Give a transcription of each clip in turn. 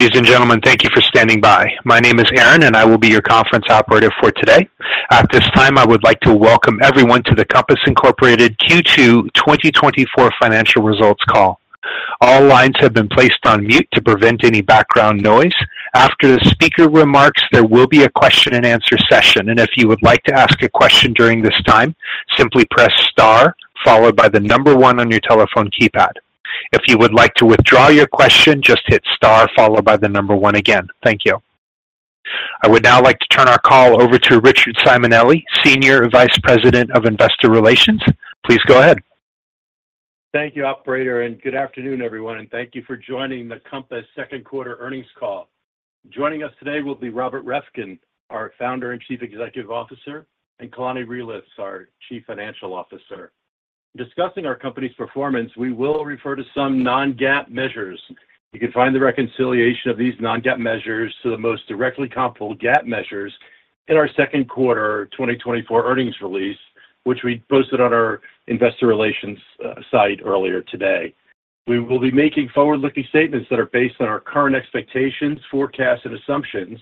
Ladies and gentlemen, thank you for standing by. My name is Aaron, and I will be your conference operator for today. At this time, I would like to welcome everyone to the Compass Incorporated Q2 2024 financial results call. All lines have been placed on mute to prevent any background noise. After the speaker remarks, there will be a question-and-answer session, and if you would like to ask a question during this time, simply press star followed by the number one on your telephone keypad. If you would like to withdraw your question, just hit star followed by the number one again. Thank you. I would now like to turn our call over to Richard Simonelli, Senior Vice President of Investor Relations. Please go ahead. Thank you, Operator, and good afternoon, everyone, and thank you for joining the Compass second quarter earnings call. Joining us today will be Robert Reffkin, our founder and Chief Executive Officer, and Kalani Reelitz, our Chief Financial Officer. Discussing our company's performance, we will refer to some non-GAAP measures. You can find the reconciliation of these non-GAAP measures to the most directly comparable GAAP measures in our second quarter 2024 earnings release, which we posted on our Investor Relations site earlier today. We will be making forward-looking statements that are based on our current expectations, forecasts, and assumptions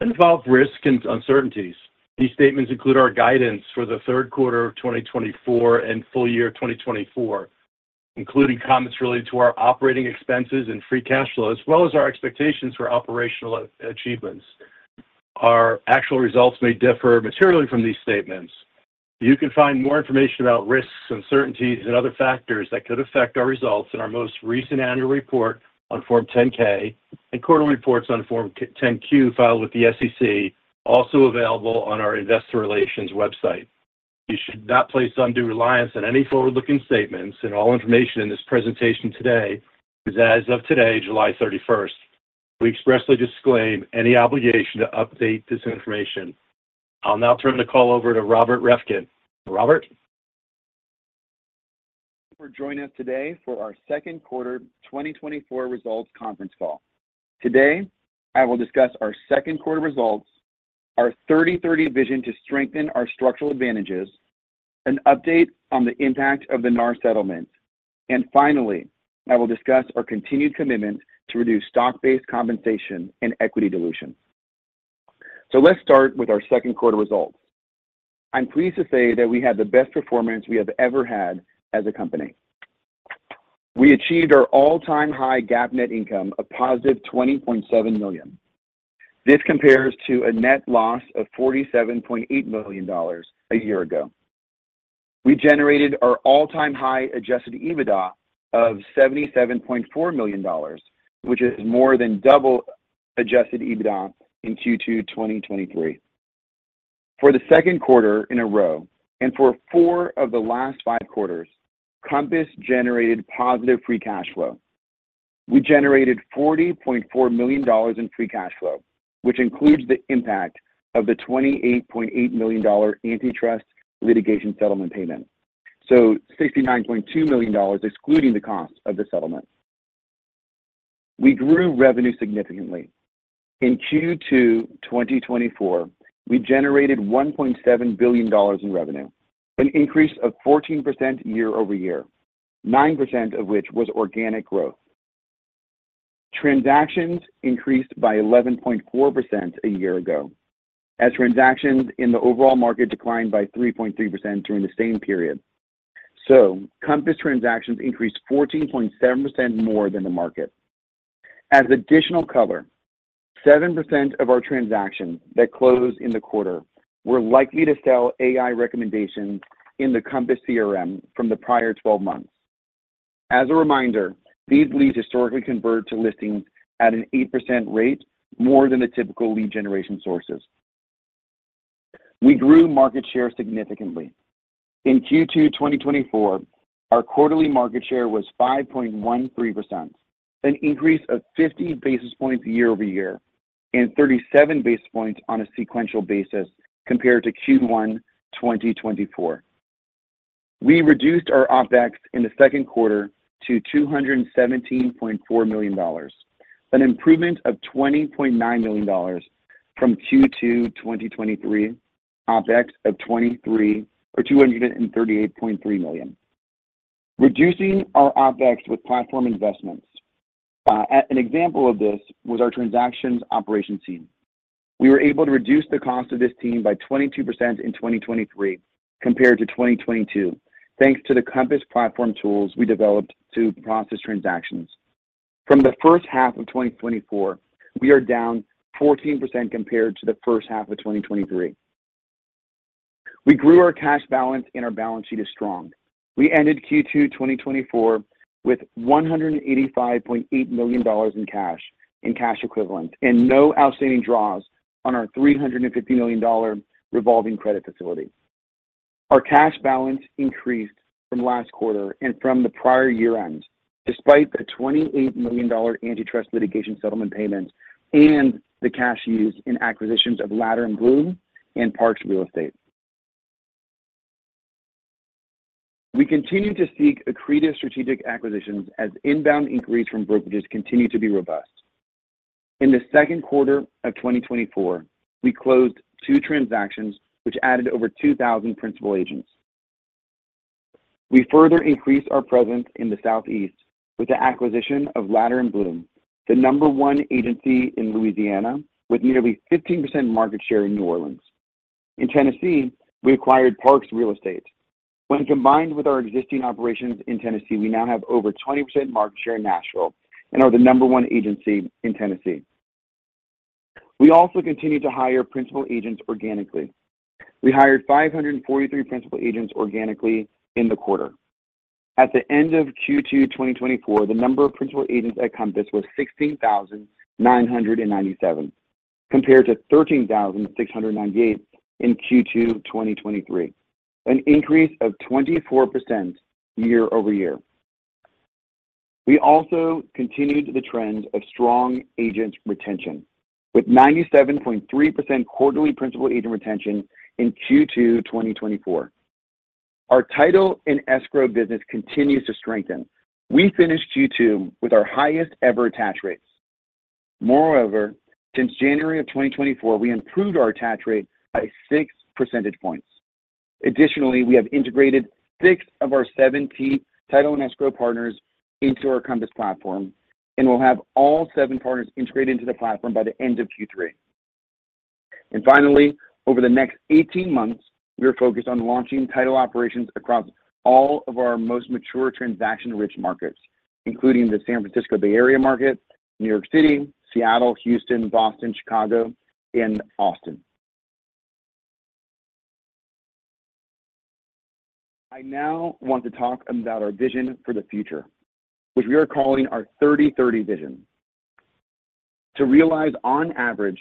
that involve risk and uncertainties. These statements include our guidance for the third quarter of 2024 and full year 2024, including comments related to our operating expenses and free cash flow, as well as our expectations for operational achievements. Our actual results may differ materially from these statements. You can find more information about risks, uncertainties, and other factors that could affect our results in our most recent annual report on Form 10-K and quarterly reports on Form 10-Q filed with the SEC, also available on our Investor Relations website. You should not place undue reliance on any forward-looking statements, and all information in this presentation today is as of today, July 31st. We expressly disclaim any obligation to update this information. I'll now turn the call over to Robert Reffkin. Robert. Thank you for joining us today for our second quarter 2024 results conference call. Today, I will discuss our second quarter results, our 30-30 Vision to strengthen our structural advantages, an update on the impact of the NAR settlement, and finally, I will discuss our continued commitment to reduce stock-based compensation and equity dilution. So let's start with our second quarter results. I'm pleased to say that we have the best performance we have ever had as a company. We achieved our all-time high GAAP net income of positive $20.7 million. This compares to a net loss of $47.8 million a year ago. We generated our all-time high adjusted EBITDA of $77.4 million, which is more than double adjusted EBITDA in Q2 2023. For the second quarter in a row and for four of the last five quarters, Compass generated positive free cash flow. We generated $40.4 million in free cash flow, which includes the impact of the $28.8 million antitrust litigation settlement payment, so $69.2 million excluding the cost of the settlement. We grew revenue significantly. In Q2 2024, we generated $1.7 billion in revenue, an increase of 14% year-over-year, 9% of which was organic growth. Transactions increased by 11.4% a year ago, as transactions in the overall market declined by 3.3% during the same period. So Compass transactions increased 14.7% more than the market. As additional color, 7% of our transactions that closed in the quarter were Likely to sell AI recommendations in the Compass CRM from the prior 12 months. As a reminder, these leads historically convert to listings at an 8% rate, more than the typical lead generation sources. We grew market share significantly. In Q2 2024, our quarterly market share was 5.13%, an increase of 50 basis points year-over-year and 37 basis points on a sequential basis compared to Q1 2024. We reduced our OpEx in the second quarter to $217.4 million, an improvement of $20.9 million from Q2 2023 OpEx of $238.3 million. Reducing our OpEx with platform investments. An example of this was our Transaction Operations team. We were able to reduce the cost of this team by 22% in 2023 compared to 2022, thanks to the Compass platform tools we developed to process transactions. From the first half of 2024, we are down 14% compared to the first half of 2023. We grew our cash balance, and our balance sheet is strong. We ended Q2 2024 with $185.8 million in cash equivalent and no outstanding draws on our $350 million revolving credit facility. Our cash balance increased from last quarter and from the prior year-end, despite the $28 million antitrust litigation settlement payments and the cash used in acquisitions of Latter & Blum and Parks Real Estate. We continue to seek accretive strategic acquisitions as inbound inquiries from brokerages continue to be robust. In the second quarter of 2024, we closed two transactions, which added over 2,000 principal agents. We further increased our presence in the Southeast with the acquisition of Latter & Blum, the number one agency in Louisiana, with nearly 15% market share in New Orleans. In Tennessee, we acquired Parks Real Estate. When combined with our existing operations in Tennessee, we now have over 20% market share in Nashville and are the number one agency in Tennessee. We also continue to hire principal agents organically. We hired 543 principal agents organically in the quarter. At the end of Q2 2024, the number of Principal Agents at Compass was 16,997, compared to 13,698 in Q2 2023, an increase of 24% year-over-year. We also continued the trend of strong agent retention, with 97.3% quarterly principal agent retention in Q2 2024. Our title and escrow business continues to strengthen. We finished Q2 with our highest-ever attach rates. Moreover, since January of 2024, we improved our attach rate by 6 percentage points. Additionally, we have integrated 6 of our 7 title and escrow partners into our Compass platform, and we'll have all 7 partners integrated into the platform by the end of Q3. And finally, over the next 18 months, we are focused on launching title operations across all of our most mature transaction-rich markets, including the San Francisco Bay Area market, New York City, Seattle, Houston, Boston, Chicago, and Austin. I now want to talk about our vision for the future, which we are calling our 30-30 Vision, to realize on average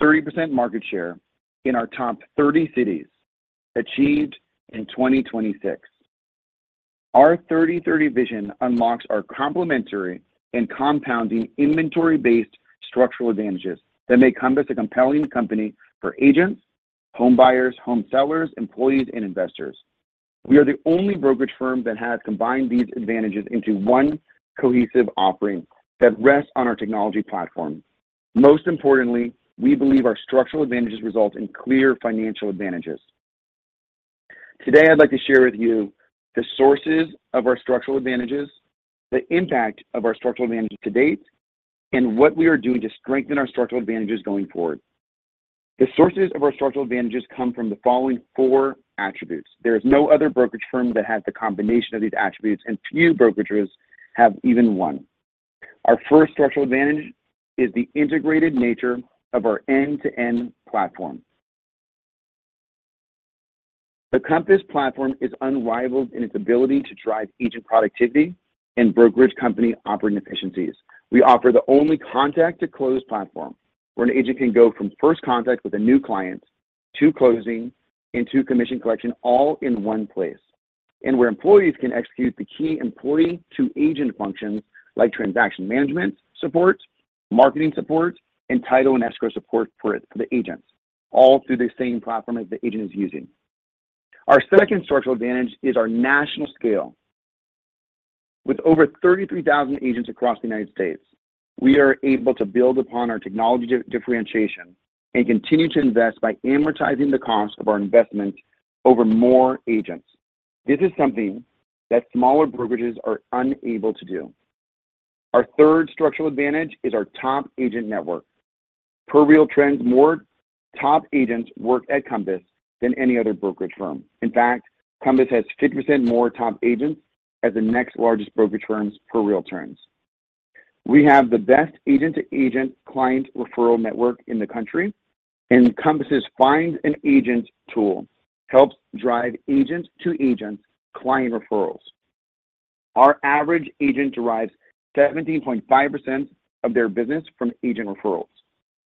30% market share in our top 30 cities achieved in 2026. Our 30-30 Vision unlocks our complementary and compounding inventory-based structural advantages that make Compass a compelling company for agents, home buyers, home sellers, employees, and investors. We are the only brokerage firm that has combined these advantages into one cohesive offering that rests on our technology platform. Most importantly, we believe our structural advantages result in clear financial advantages. Today, I'd like to share with you the sources of our structural advantages, the impact of our structural advantages to date, and what we are doing to strengthen our structural advantages going forward. The sources of our structural advantages come from the following four attributes. There is no other brokerage firm that has the combination of these attributes, and few brokerages have even one. Our first structural advantage is the integrated nature of our end-to-end platform. The Compass platform is unrivaled in its ability to drive agent productivity and brokerage company operating efficiencies. We offer the only contact-to-close platform where an agent can go from first contact with a new client to closing and to commission collection, all in one place, and where employees can execute the key employee-to-agent functions like transaction management support, marketing support, and title and escrow support for the agents, all through the same platform that the agent is using. Our second structural advantage is our national scale. With over 33,000 agents across the United States, we are able to build upon our technology differentiation and continue to invest by amortizing the cost of our investment over more agents. This is something that smaller brokerages are unable to do. Our third structural advantage is our top agent network. Per RealTrends, more top agents work at Compass than any other brokerage firm. In fact, Compass has 50% more top agents as the next largest brokerage firms per RealTrends. We have the best agent-to-agent client referral network in the country, and Compass's Find an Agent tool helps drive agent-to-agent client referrals. Our average agent derives 17.5% of their business from agent referrals.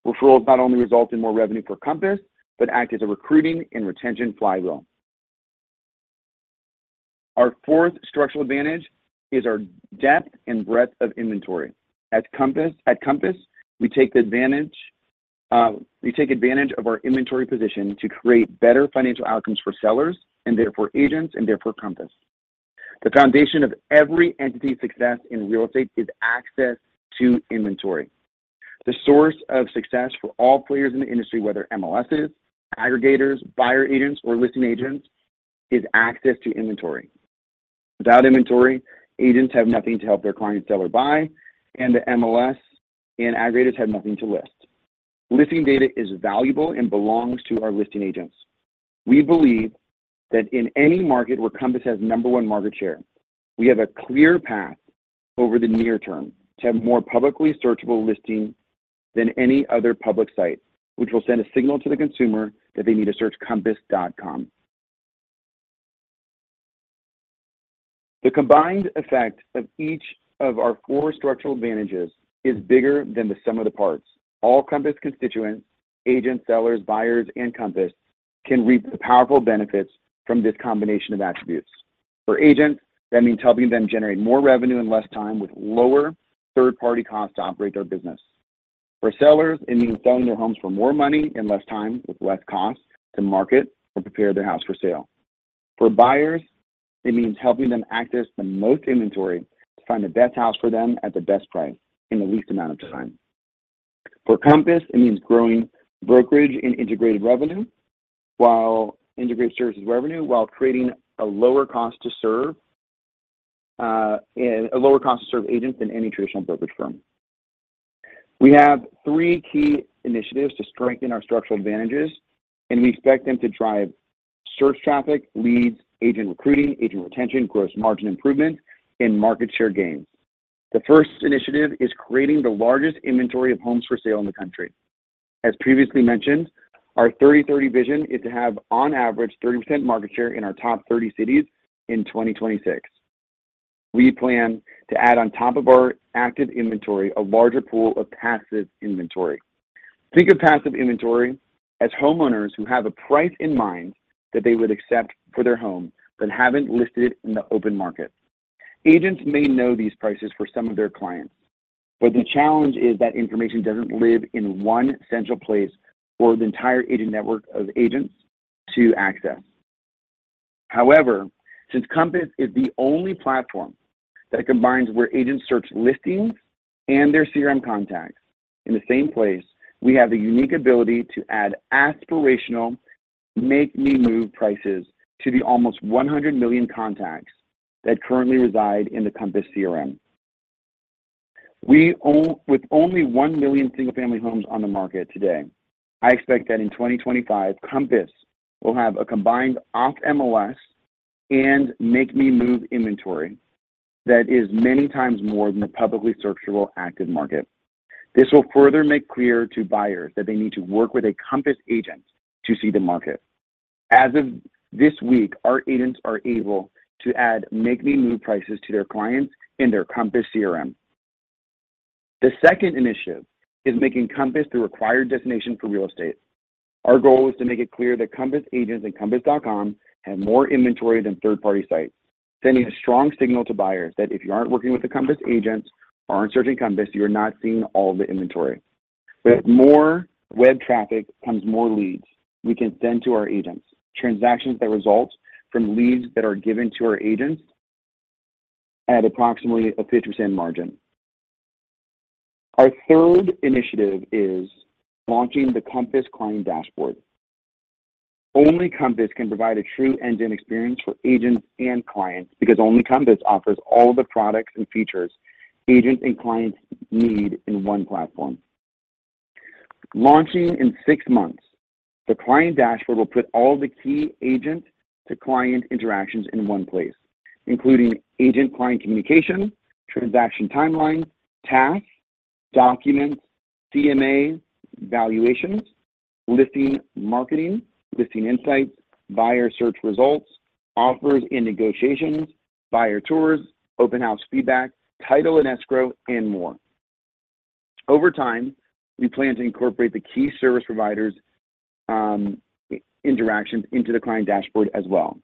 Referrals not only result in more revenue for Compass, but act as a recruiting and retention flywheel. Our fourth structural advantage is our depth and breadth of inventory. At Compass, we take advantage of our inventory position to create better financial outcomes for sellers and therefore agents and therefore Compass. The foundation of every entity's success in real estate is access to inventory. The source of success for all players in the industry, whether MLSs, aggregators, buyer agents, or listing agents, is access to inventory. Without inventory, agents have nothing to help their clients sell or buy, and the MLS and aggregators have nothing to list. Listing data is valuable and belongs to our listing agents. We believe that in any market where Compass has number one market share, we have a clear path over the near term to have more publicly searchable listing than any other public site, which will send a signal to the consumer that they need to search Compass.com. The combined effect of each of our four structural advantages is bigger than the sum of the parts. All Compass constituents, agents, sellers, buyers, and Compass can reap the powerful benefits from this combination of attributes. For agents, that means helping them generate more revenue in less time with lower third-party costs to operate their business. For sellers, it means selling their homes for more money in less time with less cost to market or prepare their house for sale. For buyers, it means helping them access the most inventory to find the best house for them at the best price in the least amount of time. For Compass, it means growing brokerage and integrated revenue while integrated services revenue while creating a lower cost to serve agents than any traditional brokerage firm. We have three key initiatives to strengthen our structural advantages, and we expect them to drive search traffic, leads, agent recruiting, agent retention, gross margin improvement, and market share gains. The first initiative is creating the largest inventory of homes for sale in the country. As previously mentioned, our 30-30 Vision is to have on average 30% market share in our top 30 cities in 2026. We plan to add on top of our active inventory a larger pool of passive inventory. Think of passive inventory as homeowners who have a price in mind that they would accept for their home but haven't listed it in the open market. Agents may know these prices for some of their clients, but the challenge is that information doesn't live in one central place for the entire agent network of agents to access. However, since Compass is the only platform that combines where agents search listings and their CRM contacts in the same place, we have the unique ability to add aspirational Make Me Move prices to the almost 100 million contacts that currently reside in the Compass CRM. With only 1 million single-family homes on the market today, I expect that in 2025, Compass will have a combined off-MLS and Make Me Move inventory that is many times more than the publicly searchable active market. This will further make clear to buyers that they need to work with a Compass agent to see the market. As of this week, our agents are able to add Make Me Move prices to their clients in their Compass CRM. The second initiative is making Compass the required destination for real estate. Our goal is to make it clear that Compass agents and Compass.com have more inventory than third-party sites, sending a strong signal to buyers that if you aren't working with a Compass agent or aren't searching Compass, you're not seeing all the inventory. With more web traffic comes more leads we can send to our agents, transactions that result from leads that are given to our agents at approximately a 50% margin. Our third initiative is launching the Compass Client Dashboard. Only Compass can provide a true end-to-end experience for agents and clients because only Compass offers all the products and features agents and clients need in one platform. Launching in six months, the Client Dashboard will put all the key agent-to-client interactions in one place, including agent-client communication, transaction timelines, tasks, documents, CMAs, valuations, listing marketing, listing insights, buyer search results, offers and negotiations, buyer tours, open-house feedback, title and escrow, and more. Over time, we plan to incorporate the key service providers' interactions into the Client Dashboard as well,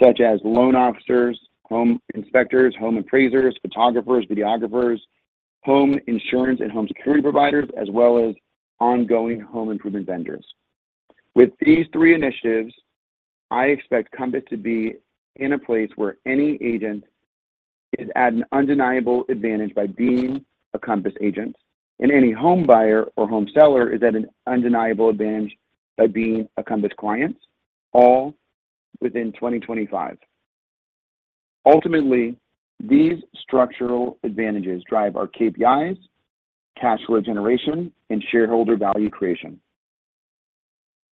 such as loan officers, home inspectors, home appraisers, photographers, videographers, home insurance and home security providers, as well as ongoing home improvement vendors. With these three initiatives, I expect Compass to be in a place where any agent is at an undeniable advantage by being a Compass agent, and any home buyer or home seller is at an undeniable advantage by being a Compass client, all within 2025. Ultimately, these structural advantages drive our KPIs, cash flow generation, and shareholder value creation.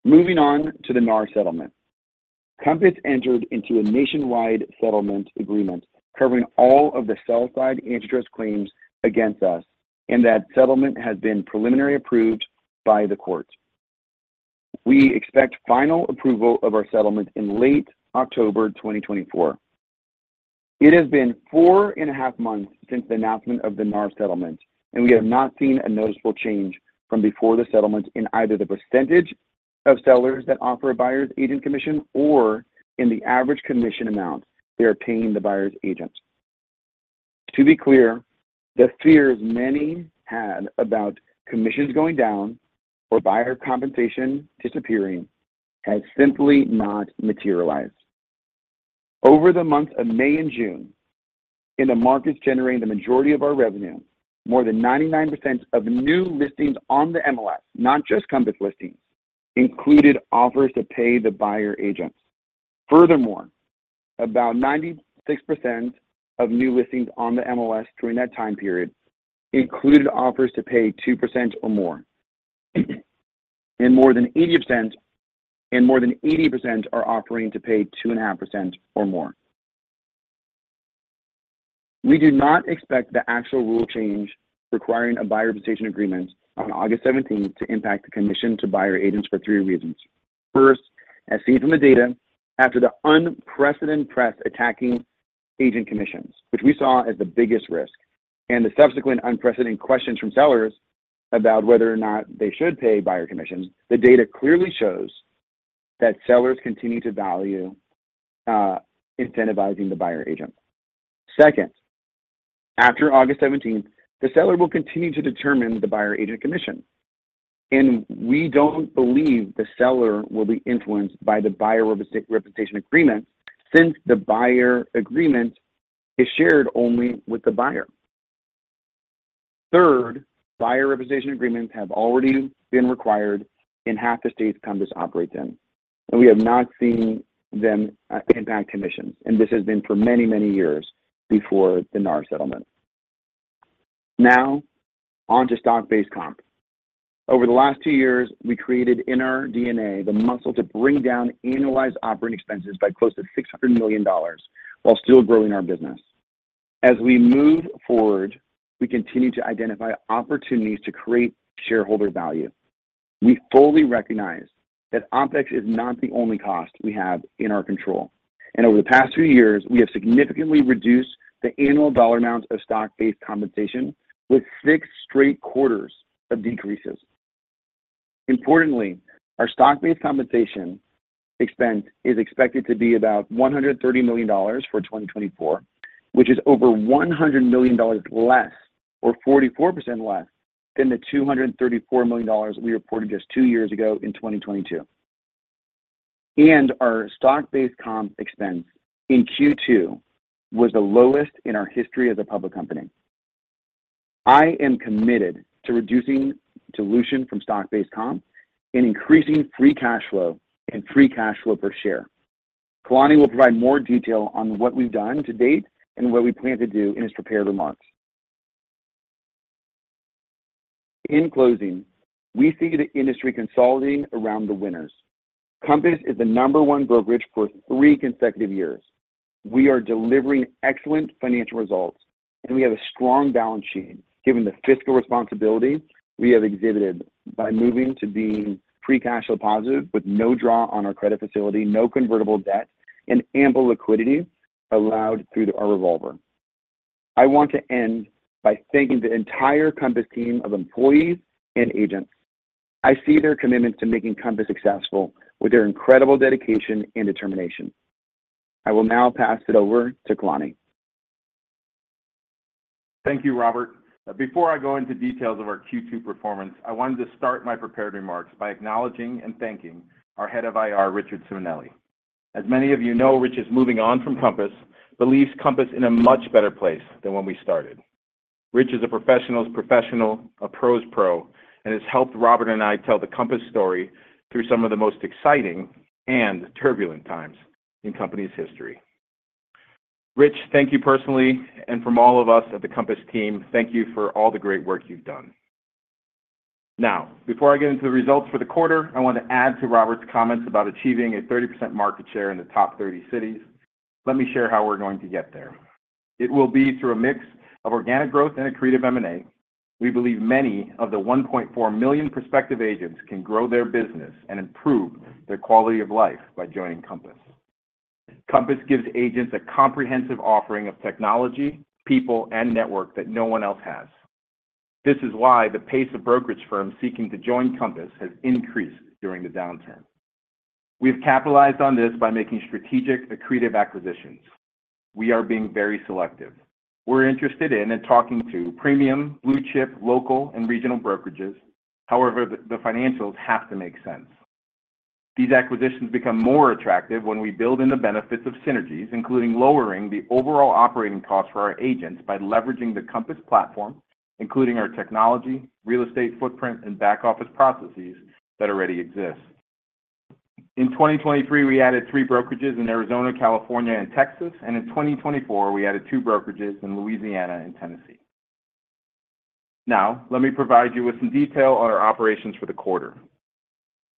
Moving on to the NAR settlement, Compass entered into a nationwide settlement agreement covering all of the sell-side antitrust claims against us, and that settlement has been preliminarily approved by the court. We expect final approval of our settlement in late October 2024. It has been four and a half months since the announcement of the NAR settlement, and we have not seen a noticeable change from before the settlement in either the percentage of sellers that offer a buyer's agent commission or in the average commission amount they are paying the buyer's agent. To be clear, the fears many had about commissions going down or buyer compensation disappearing has simply not materialized. Over the months of May and June, in the markets generating the majority of our revenue, more than 99% of new listings on the MLS, not just Compass listings, included offers to pay the buyer agents. Furthermore, about 96% of new listings on the MLS during that time period included offers to pay 2% or more, and more than 80% are offering to pay 2.5% or more. We do not expect the actual rule change requiring a buyer representation agreement on August 17th to impact the commission to buyer agents for three reasons. First, as seen from the data, after the unprecedented press attacking agent commissions, which we saw as the biggest risk, and the subsequent unprecedented questions from sellers about whether or not they should pay buyer commissions, the data clearly shows that sellers continue to value incentivizing the buyer agent. Second, after August 17th, the seller will continue to determine the buyer agent commission, and we don't believe the seller will be influenced by the buyer representation agreement since the buyer agreement is shared only with the buyer. Third, buyer representation agreements have already been required in half the states Compass operates in, and we have not seen them impact commissions, and this has been for many, many years before the NAR settlement. Now, on to stock-based comp. Over the last two years, we created in our DNA the muscle to bring down annualized operating expenses by close to $600 million while still growing our business. As we move forward, we continue to identify opportunities to create shareholder value. We fully recognize that OpEx is not the only cost we have in our control, and over the past two years, we have significantly reduced the annual dollar amount of stock-based compensation with six straight quarters of decreases. Importantly, our stock-based compensation expense is expected to be about $130 million for 2024, which is over $100 million less, or 44% less, than the $234 million we reported just two years ago in 2022. Our stock-based comp expense in Q2 was the lowest in our history as a public company. I am committed to reducing dilution from stock-based comp and increasing free cash flow and free cash flow per share. Kalani will provide more detail on what we've done to date and what we plan to do in his prepared remarks. In closing, we see the industry consolidating around the winners. Compass is the No. 1 brokerage for three consecutive years. We are delivering excellent financial results, and we have a strong balance sheet given the fiscal responsibility we have exhibited by moving to being free cash flow positive with no draw on our credit facility, no convertible debt, and ample liquidity allowed through our revolver. I want to end by thanking the entire Compass team of employees and agents. I see their commitment to making Compass successful with their incredible dedication and determination. I will now pass it over to Kalani. Thank you, Robert. Before I go into details of our Q2 performance, I wanted to start my prepared remarks by acknowledging and thanking our head of IR, Richard Simonelli. As many of you know, Rich is moving on from Compass, believes Compass in a much better place than when we started. Rich is a professional's professional, a pros' pro, and has helped Robert and I tell the Compass story through some of the most exciting and turbulent times in company's history. Rich, thank you personally, and from all of us at the Compass team, thank you for all the great work you've done. Now, before I get into the results for the quarter, I want to add to Robert's comments about achieving a 30% market share in the top 30 cities. Let me share how we're going to get there. It will be through a mix of organic growth and accretive M&A. We believe many of the 1.4 million prospective agents can grow their business and improve their quality of life by joining Compass. Compass gives agents a comprehensive offering of technology, people, and network that no one else has. This is why the pace of brokerage firms seeking to join Compass has increased during the downturn. We've capitalized on this by making strategic accretive acquisitions. We are being very selective. We're interested in and talking to premium, blue chip, local, and regional brokerages, however, the financials have to make sense. These acquisitions become more attractive when we build in the benefits of synergies, including lowering the overall operating costs for our agents by leveraging the Compass platform, including our technology, real estate footprint, and back office processes that already exist. In 2023, we added three brokerages in Arizona, California, and Texas, and in 2024, we added two brokerages in Louisiana and Tennessee. Now, let me provide you with some detail on our operations for the quarter.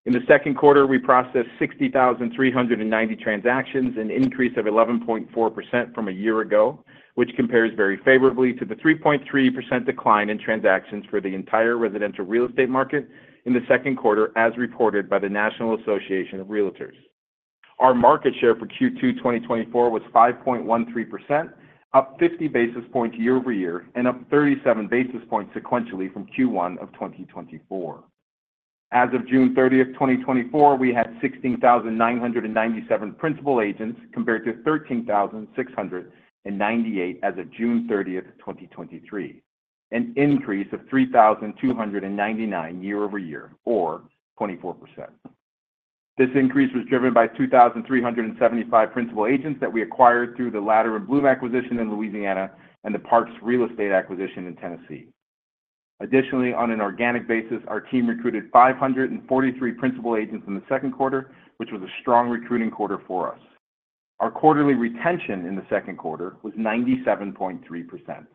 In the second quarter, we processed 60,390 transactions, an increase of 11.4% from a year ago, which compares very favorably to the 3.3% decline in transactions for the entire residential real estate market in the second quarter, as reported by the National Association of Realtors. Our market share for Q2 2024 was 5.13%, up 50 basis points year-over-year, and up 37 basis points sequentially from Q1 of 2024. As of June 30th, 2024, we had 16,997 principal agents compared to 13,698 as of June 30th, 2023, an increase of 3,299 year-over-year, or 24%. This increase was driven by 2,375 principal agents that we acquired through the Latter & Blum acquisition in Louisiana and the Parks Real Estate acquisition in Tennessee. Additionally, on an organic basis, our team recruited 543 principal agents in the second quarter, which was a strong recruiting quarter for us. Our quarterly retention in the second quarter was 97.3%.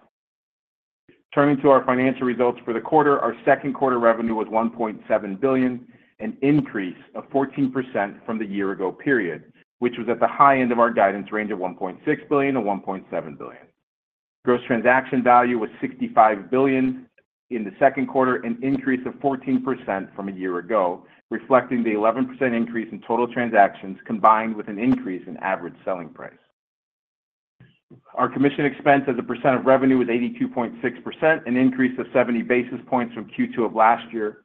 Turning to our financial results for the quarter, our second quarter revenue was $1.7 billion, an increase of 14% from the year-ago period, which was at the high end of our guidance range of $1.6 billion-$1.7 billion. Gross transaction value was $65 billion in the second quarter, an increase of 14% from a year ago, reflecting the 11% increase in total transactions combined with an increase in average selling price. Our commission expense as a percent of revenue was 82.6%, an increase of 70 basis points from Q2 of last year.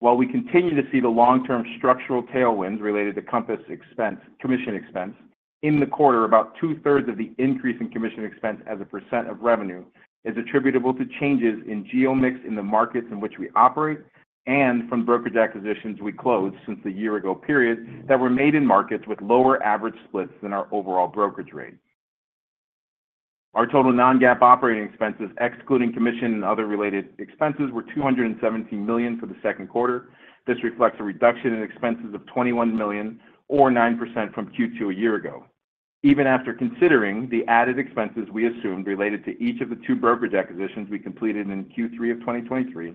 While we continue to see the long-term structural tailwinds related to Compass commission expense, in the quarter, about two-thirds of the increase in commission expense as a percent of revenue is attributable to changes in geo-mix in the markets in which we operate and from brokerage acquisitions we closed since the year-ago period that were made in markets with lower average splits than our overall brokerage rate. Our total non-GAAP operating expenses, excluding commission and other related expenses, were $217 million for the second quarter. This reflects a reduction in expenses of $21 million, or 9% from Q2 a year ago. Even after considering the added expenses we assumed related to each of the two brokerage acquisitions we completed in Q3 of 2023,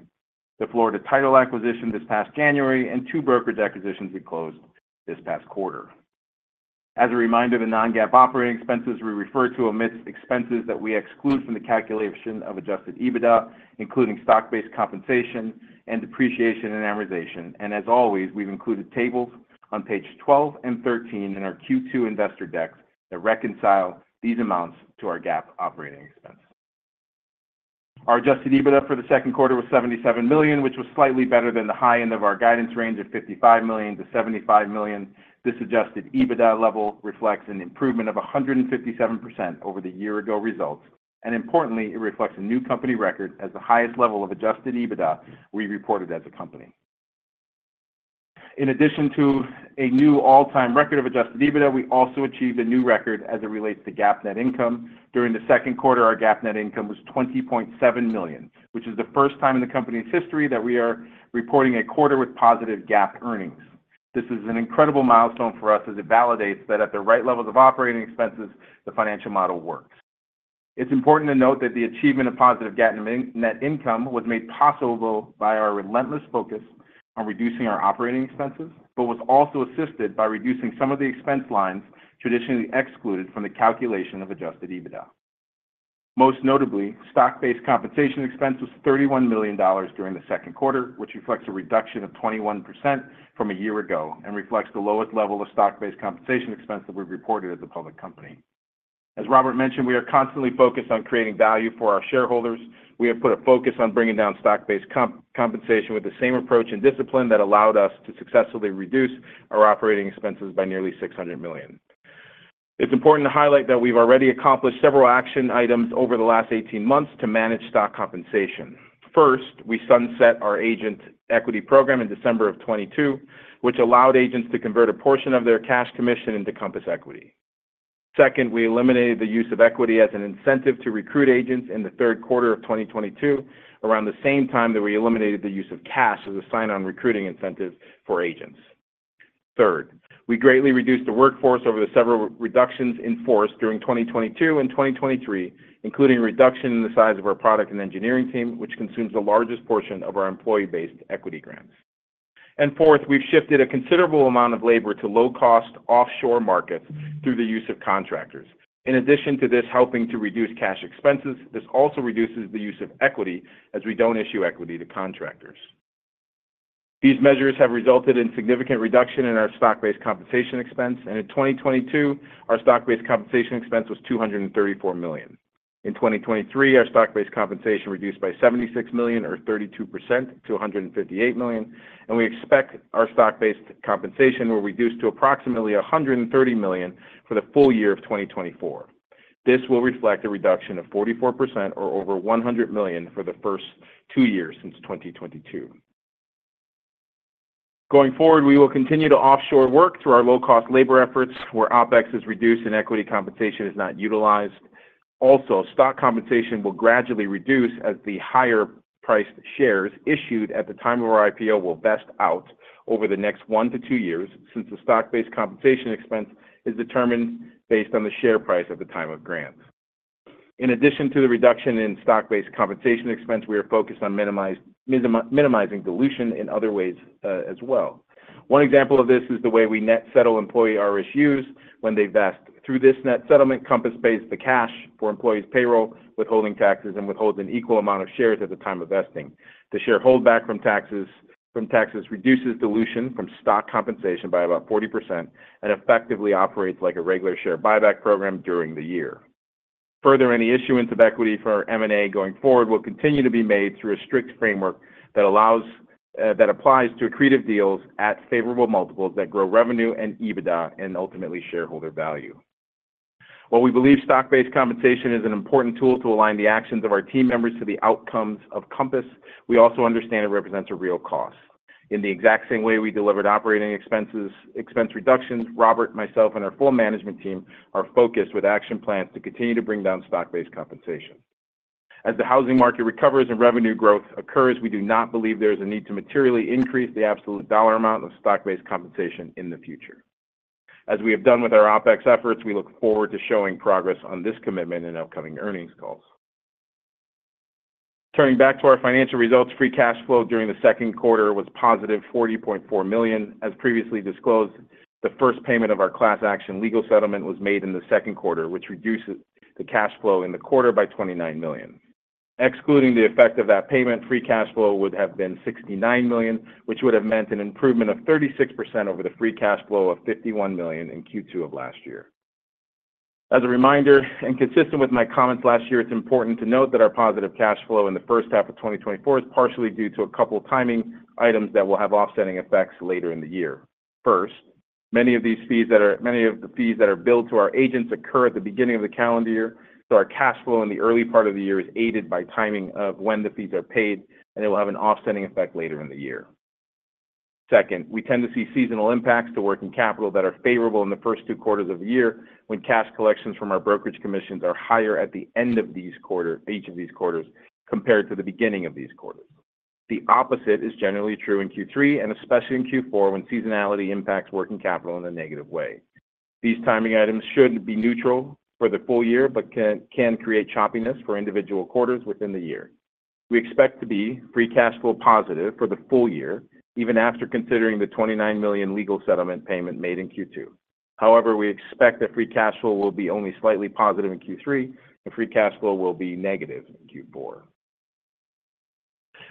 the Florida title acquisition this past January, and two brokerage acquisitions we closed this past quarter. As a reminder, the non-GAAP operating expenses we refer to omit expenses that we exclude from the calculation of Adjusted EBITDA, including stock-based compensation and depreciation and amortization. As always, we've included tables on pages 12 and 13 in our Q2 investor deck that reconcile these amounts to our GAAP operating expense. Our Adjusted EBITDA for the second quarter was $77 million, which was slightly better than the high end of our guidance range of $55 million-$75 million. This Adjusted EBITDA level reflects an improvement of 157% over the year-ago results, and importantly, it reflects a new company record as the highest level of Adjusted EBITDA we reported as a company. In addition to a new all-time record of Adjusted EBITDA, we also achieved a new record as it relates to GAAP net income. During the second quarter, our GAAP net income was $20.7 million, which is the first time in the company's history that we are reporting a quarter with positive GAAP earnings. This is an incredible milestone for us as it validates that at the right levels of operating expenses, the financial model works. It's important to note that the achievement of positive GAAP net income was made possible by our relentless focus on reducing our operating expenses, but was also assisted by reducing some of the expense lines traditionally excluded from the calculation of Adjusted EBITDA. Most notably, stock-based compensation expense was $31 million during the second quarter, which reflects a reduction of 21% from a year ago and reflects the lowest level of stock-based compensation expense that we've reported as a public company. As Robert mentioned, we are constantly focused on creating value for our shareholders. We have put a focus on bringing down stock-based compensation with the same approach and discipline that allowed us to successfully reduce our operating expenses by nearly $600 million. It's important to highlight that we've already accomplished several action items over the last 18 months to manage stock compensation. First, we sunset our agent equity program in December of 2022, which allowed agents to convert a portion of their cash commission into Compass equity. Second, we eliminated the use of equity as an incentive to recruit agents in the third quarter of 2022, around the same time that we eliminated the use of cash as a sign-on recruiting incentive for agents. Third, we greatly reduced the workforce over the several reductions enforced during 2022 and 2023, including a reduction in the size of our product and engineering team, which consumes the largest portion of our employee-based equity grants. And fourth, we've shifted a considerable amount of labor to low-cost offshore markets through the use of contractors. In addition to this helping to reduce cash expenses, this also reduces the use of equity as we don't issue equity to contractors. These measures have resulted in a significant reduction in our stock-based compensation expense, and in 2022, our stock-based compensation expense was $234 million. In 2023, our stock-based compensation reduced by $76 million, or 32%, to $158 million, and we expect our stock-based compensation will reduce to approximately $130 million for the full year of 2024. This will reflect a reduction of 44%, or over $100 million for the first two years since 2022. Going forward, we will continue to offshore work through our low-cost labor efforts where OpEx is reduced and equity compensation is not utilized. Also, stock compensation will gradually reduce as the higher-priced shares issued at the time of our IPO will vest out over the next one to two years since the stock-based compensation expense is determined based on the share price at the time of grants. In addition to the reduction in stock-based compensation expense, we are focused on minimizing dilution in other ways as well. One example of this is the way we net settle employee RSUs when they vest. Through this net settlement, Compass pays the cash for employees' payroll withholding taxes and withholds an equal amount of shares at the time of vesting. The share holdback from taxes reduces dilution from stock compensation by about 40% and effectively operates like a regular share buyback program during the year. Further, any issuance of equity for M&A going forward will continue to be made through a strict framework that applies to accretive deals at favorable multiples that grow revenue and EBITDA and ultimately shareholder value. While we believe stock-based compensation is an important tool to align the actions of our team members to the outcomes of Compass, we also understand it represents a real cost. In the exact same way we delivered operating expense reductions, Robert, myself, and our full management team are focused with action plans to continue to bring down stock-based compensation. As the housing market recovers and revenue growth occurs, we do not believe there is a need to materially increase the absolute dollar amount of stock-based compensation in the future. As we have done with our OpEx efforts, we look forward to showing progress on this commitment in upcoming earnings calls. Turning back to our financial results, free cash flow during the second quarter was positive $40.4 million. As previously disclosed, the first payment of our class action legal settlement was made in the second quarter, which reduced the cash flow in the quarter by $29 million. Excluding the effect of that payment, free cash flow would have been $69 million, which would have meant an improvement of 36% over the free cash flow of $51 million in Q2 of last year. As a reminder, and consistent with my comments last year, it's important to note that our positive cash flow in the first half of 2024 is partially due to a couple of timing items that will have offsetting effects later in the year. First, many of these fees that are billed to our agents occur at the beginning of the calendar year, so our cash flow in the early part of the year is aided by timing of when the fees are paid, and it will have an offsetting effect later in the year. Second, we tend to see seasonal impacts to working capital that are favorable in the first two quarters of the year when cash collections from our brokerage commissions are higher at the end of these quarters, each of these quarters, compared to the beginning of these quarters. The opposite is generally true in Q3, and especially in Q4 when seasonality impacts working capital in a negative way. These timing items should be neutral for the full year but can create choppiness for individual quarters within the year. We expect to be free cash flow positive for the full year, even after considering the $29 million legal settlement payment made in Q2. However, we expect that free cash flow will be only slightly positive in Q3, and free cash flow will be negative in Q4.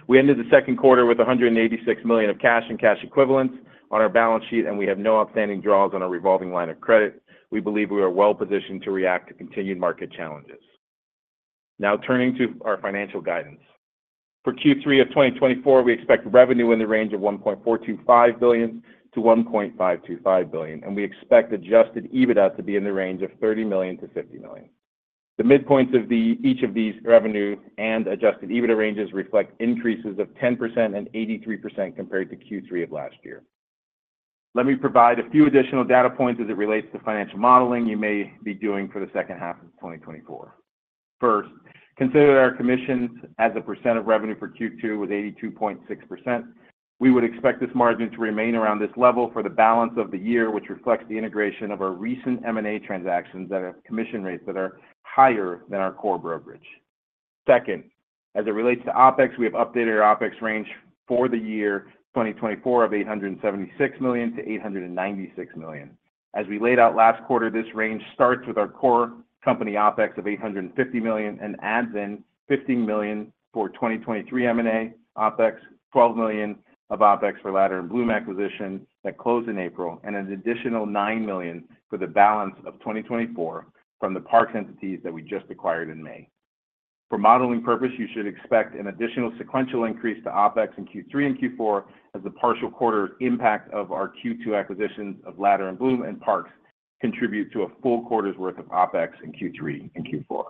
We ended the second quarter with $186 million of cash and cash equivalents on our balance sheet, and we have no outstanding draws on our revolving line of credit. We believe we are well positioned to react to continued market challenges. Now, turning to our financial guidance. For Q3 of 2024, we expect revenue in the range of $1.425 billion-$1.525 billion, and we expect adjusted EBITDA to be in the range of $30 million-$50 million. The midpoint of each of these revenue and adjusted EBITDA ranges reflect increases of 10% and 83% compared to Q3 of last year. Let me provide a few additional data points as it relates to financial modeling you may be doing for the second half of 2024. First, consider that our commissions as a percent of revenue for Q2 was 82.6%. We would expect this margin to remain around this level for the balance of the year, which reflects the integration of our recent M&A transactions that have commission rates that are higher than our core brokerage. Second, as it relates to OpEx, we have updated our OpEx range for the year 2024 of $876 million-$896 million. As we laid out last quarter, this range starts with our core company OpEx of $850 million and adds in $15 million for 2023 M&A OpEx, $12 million of OpEx for Latter & Blum acquisition that closed in April, and an additional $9 million for the balance of 2024 from the Parks entities that we just acquired in May. For modeling purposes, you should expect an additional sequential increase to OpEx in Q3 and Q4 as the partial quarter impact of our Q2 acquisitions of Latter & Blum and Parks contribute to a full quarter's worth of OpEx in Q3 and Q4.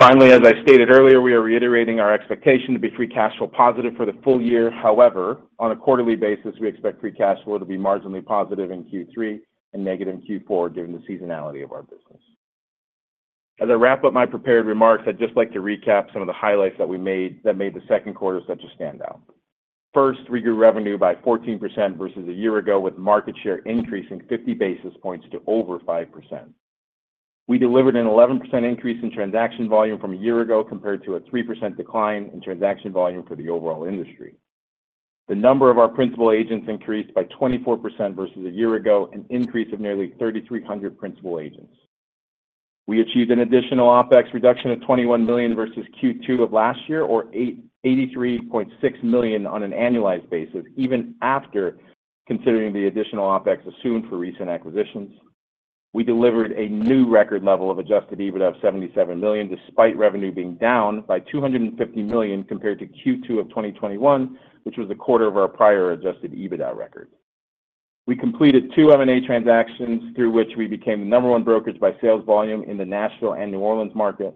Finally, as I stated earlier, we are reiterating our expectation to be free cash flow positive for the full year. However, on a quarterly basis, we expect free cash flow to be marginally positive in Q3 and negative in Q4 given the seasonality of our business. As I wrap up my prepared remarks, I'd just like to recap some of the highlights that we made that made the second quarter such a standout. First, we grew revenue by 14% versus a year ago, with market share increasing 50 basis points to over 5%. We delivered an 11% increase in transaction volume from a year ago compared to a 3% decline in transaction volume for the overall industry. The number of our principal agents increased by 24% versus a year ago, an increase of nearly 3,300 principal agents. We achieved an additional OpEx reduction of $21 million versus Q2 of last year, or $83.6 million on an annualized basis, even after considering the additional OpEx assumed for recent acquisitions. We delivered a new record level of adjusted EBITDA of $77 million, despite revenue being down by $250 million compared to Q2 of 2021, which was a quarter of our prior adjusted EBITDA record. We completed two M&A transactions through which we became the number one brokerage by sales volume in the Nashville and New Orleans market.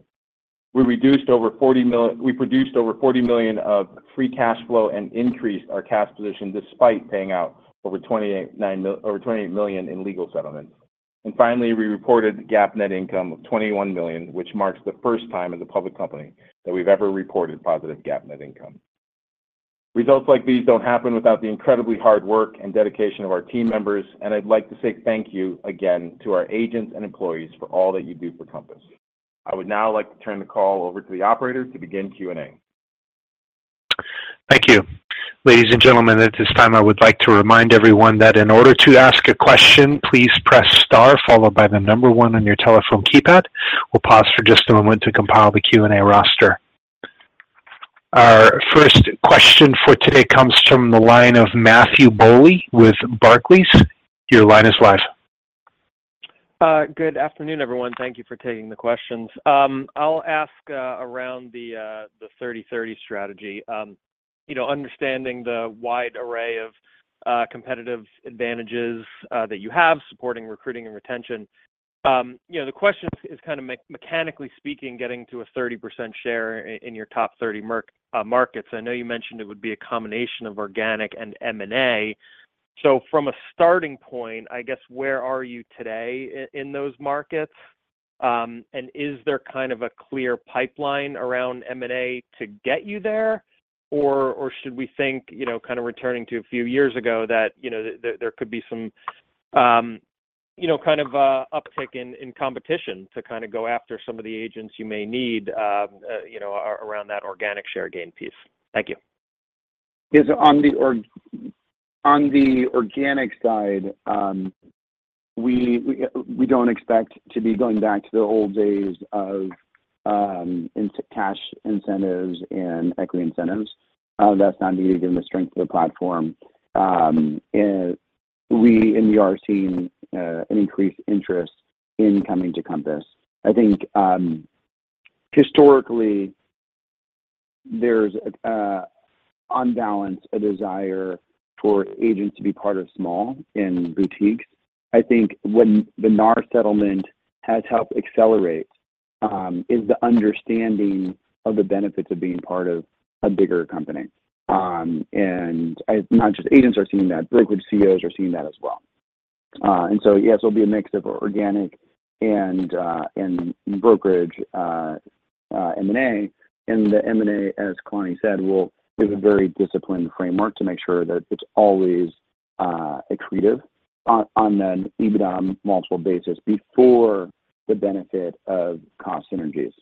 We reduced over $40 million. We produced over $40 million of free cash flow and increased our cash position despite paying out over $28 million in legal settlements. And finally, we reported GAAP net income of $21 million, which marks the first time as a public company that we've ever reported positive GAAP net income. Results like these don't happen without the incredibly hard work and dedication of our team members, and I'd like to say thank you again to our agents and employees for all that you do for Compass. I would now like to turn the call over to the operator to begin Q&A. Thank you. Ladies and gentlemen, at this time, I would like to remind everyone that in order to ask a question, please press star followed by one on your telephone keypad. We'll pause for just a moment to compile the Q&A roster. Our first question for today comes from the line of Matthew Bouley with Barclays. Your line is live. Good afternoon, everyone. Thank you for taking the questions. I'll ask around the 30-30 strategy. Understanding the wide array of competitive advantages that you have, supporting recruiting and retention, the question is kind of mechanically speaking, getting to a 30% share in your top 30 markets. I know you mentioned it would be a combination of organic and M&A. So from a starting point, I guess, where are you today in those markets? And is there kind of a clear pipeline around M&A to get you there, or should we think, kind of returning to a few years ago, that there could be some kind of uptick in competition to kind of go after some of the agents you may need around that organic share gain piece? Thank you. On the organic side, we don't expect to be going back to the old days of cash incentives and equity incentives. That's not needed given the strength of the platform. We're seeing an increased interest in coming to Compass. I think historically, there's on balance a desire for agents to be part of small and boutiques. I think when the NAR settlement has helped accelerate is the understanding of the benefits of being part of a bigger company. And not just agents are seeing that; brokerage CEOs are seeing that as well. And so, yes, it'll be a mix of organic and brokerage M&A. And the M&A, as Kalani said, will give a very disciplined framework to make sure that it's always accretive on an EBITDA multiple basis before the benefit of cost synergies.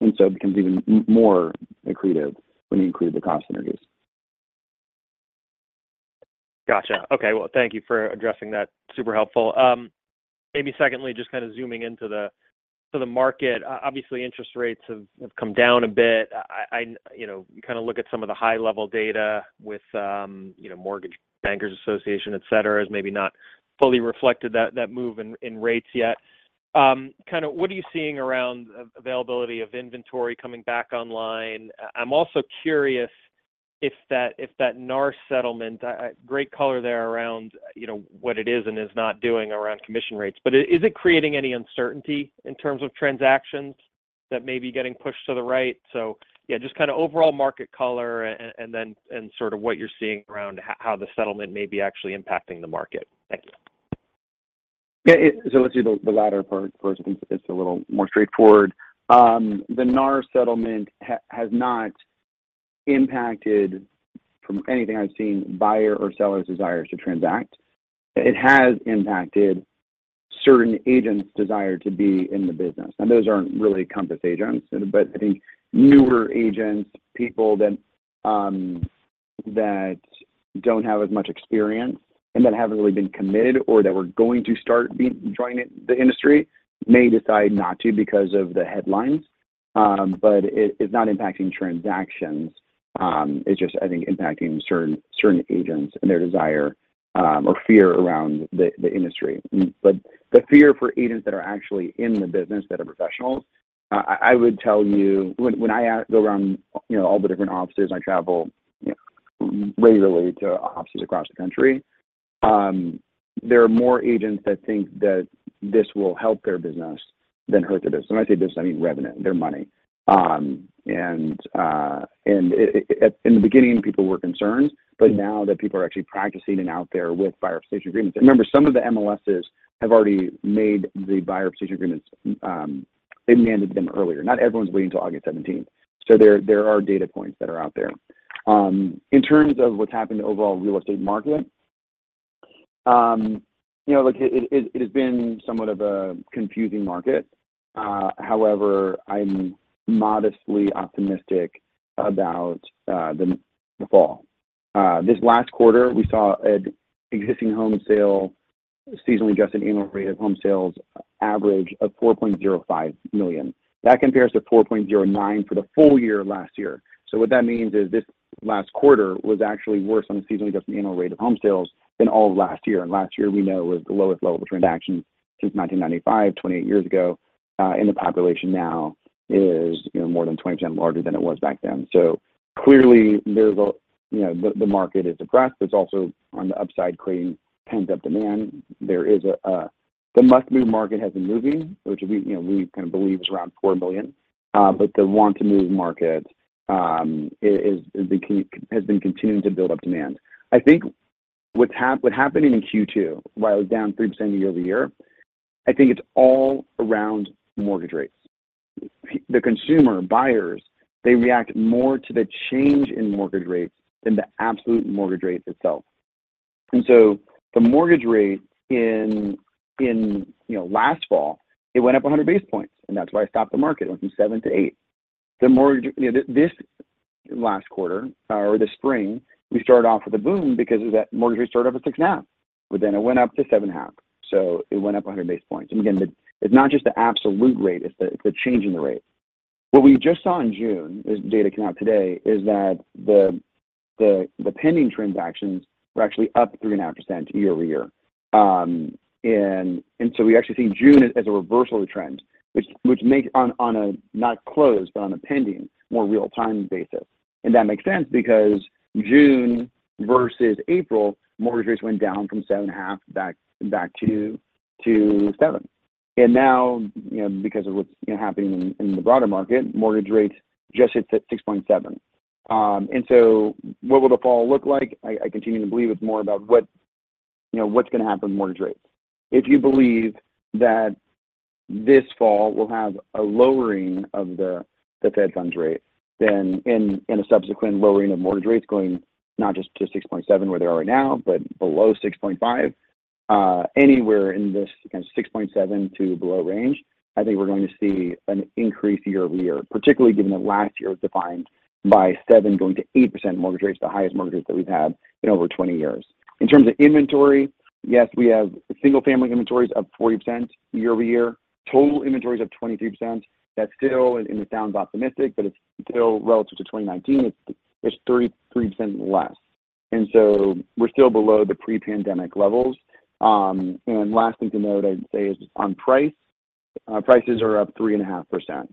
And so it becomes even more accretive when you include the cost synergies. Gotcha. Okay. Well, thank you for addressing that. Super helpful. Maybe secondly, just kind of zooming into the market, obviously, interest rates have come down a bit. You kind of look at some of the high-level data with Mortgage Bankers Association, etc., as maybe not fully reflected that move in rates yet. Kind of what are you seeing around availability of inventory coming back online? I'm also curious if that NAR settlement, great color there around what it is and is not doing around commission rates, but is it creating any uncertainty in terms of transactions that may be getting pushed to the right? So yeah, just kind of overall market color and sort of what you're seeing around how the settlement may be actually impacting the market. Thank you. Yeah. So let's do the latter first. It's a little more straightforward. The NAR settlement has not impacted, from anything I've seen, buyer or seller's desires to transact. It has impacted certain agents' desire to be in the business. Now, those aren't really Compass agents, but I think newer agents, people that don't have as much experience and that haven't really been committed or that were going to start joining the industry may decide not to because of the headlines. But it's not impacting transactions. It's just, I think, impacting certain agents and their desire or fear around the industry. But the fear for agents that are actually in the business that are professionals, I would tell you, when I go around all the different offices, I travel regularly to offices across the country, there are more agents that think that this will help their business than hurt their business. And when I say business, I mean revenue, their money. In the beginning, people were concerned, but now that people are actually practicing and out there with buyer representation agreements, remember, some of the MLSs have already made the buyer representation agreements. They mandated them earlier. Not everyone's waiting till August 17th. So there are data points that are out there. In terms of what's happened to overall real estate market, it has been somewhat of a confusing market. However, I'm modestly optimistic about the fall. This last quarter, we saw an existing home sale seasonally adjusted annual rate of home sales average of 4.05 million. That compares to 4.09 for the full year last year. So what that means is this last quarter was actually worse on the seasonally adjusted annual rate of home sales than all of last year. Last year, we know, was the lowest level of transactions since 1995, 28 years ago, and the population now is more than 20% larger than it was back then. So clearly, the market is depressed. It's also on the upside, creating pent-up demand. The must-move market has been moving, which we kind of believe is around 4 million. But the want-to-move market has been continuing to build up demand. I think what happened in Q2, while it was down 3% year-over-year, I think it's all around mortgage rates. The consumer, buyers, they react more to the change in mortgage rates than the absolute mortgage rate itself. And so the mortgage rate in last fall, it went up 100 basis points, and that's why I stopped the market, went from 7% to 8%. This last quarter, or this spring, we started off with a boom because mortgage rates started off at 6.5, but then it went up to 7.5. It went up 100 basis points. Again, it's not just the absolute rate, it's the change in the rate. What we just saw in June, as data came out today, is that the pending transactions were actually up 3.5% year-over-year. We actually see June as a reversal of the trend, which makes, on a not closed, but on a pending, more real-time basis. That makes sense because June versus April, mortgage rates went down from 7.5% back to 7%. Now, because of what's happening in the broader market, mortgage rates just hit 6.7%. What will the fall look like? I continue to believe it's more about what's going to happen with mortgage rates. If you believe that this fall will have a lowering of the Fed funds rate, then in a subsequent lowering of mortgage rates going not just to 6.7% where they are right now, but below 6.5%, anywhere in this 6.7% to below range, I think we're going to see an increase year-over-year, particularly given that last year was defined by 7% going to 8% mortgage rates, the highest mortgage rates that we've had in over 20 years. In terms of inventory, yes, we have single-family inventories up 40% year-over-year, total inventories up 23%. That's still, and it sounds optimistic, but it's still relative to 2019. It's 3% less. And so we're still below the pre-pandemic levels. And last thing to note, I'd say, is on price, prices are up 3.5%.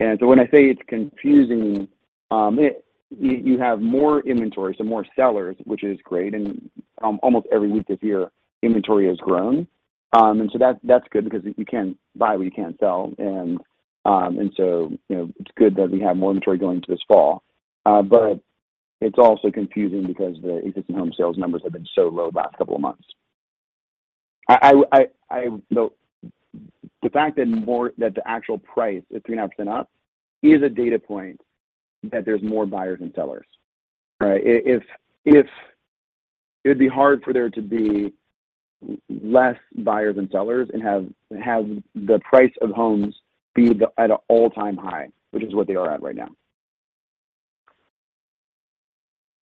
And so when I say it's confusing, you have more inventory, so more sellers, which is great. And almost every week this year, inventory has grown. And so that's good because you can buy what you can't sell. And so it's good that we have more inventory going into this fall. But it's also confusing because the existing home sales numbers have been so low the last couple of months. The fact that the actual price is 3.5% up is a data point that there's more buyers than sellers, right? It would be hard for there to be less buyers than sellers and have the price of homes be at an all-time high, which is what they are at right now.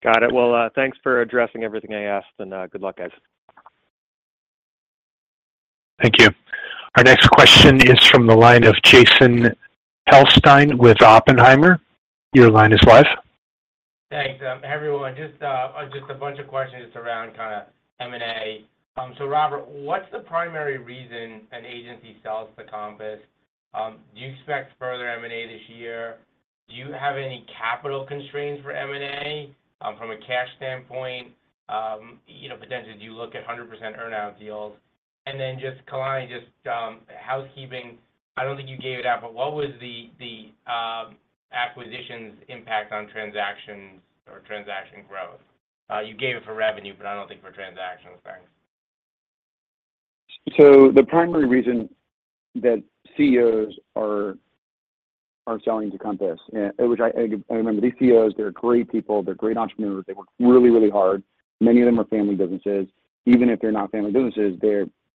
Got it. Well, thanks for addressing everything I asked, and good luck, guys. Thank you. Our next question is from the line of Jason Helfstein with Oppenheimer. Your line is live. Thanks. Hey, everyone. Just a bunch of questions just around kind of M&A. So Robert, what's the primary reason an agency sells to Compass? Do you expect further M&A this year? Do you have any capital constraints for M&A from a cash standpoint? Potentially, do you look at 100% earnout deals? And then just Kalani, just housekeeping, I don't think you gave it out, but what was the acquisition's impact on transactions or transaction growth? You gave it for revenue, but I don't think for transactions. Thanks. So the primary reason that CEOs are selling to Compass, which I remember, these CEOs, they're great people. They're great entrepreneurs. They work really, really hard. Many of them are family businesses. Even if they're not family businesses,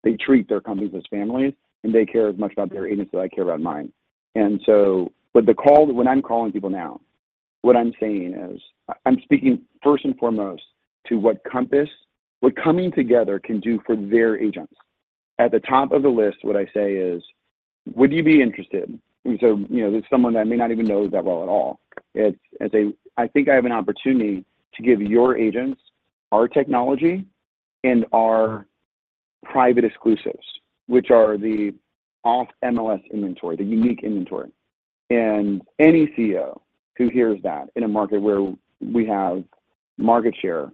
they treat their companies as families, and they care as much about their agents as I care about mine. When I'm calling people now, what I'm saying is I'm speaking first and foremost to what Compass, what coming together can do for their agents. At the top of the list, what I say is, "Would you be interested?" And so this is someone that may not even know that well at all. It's a, "I think I have an opportunity to give your agents our technology and our Private Exclusives, which are the off-MLS inventory, the unique inventory." And any CEO who hears that in a market where we have market share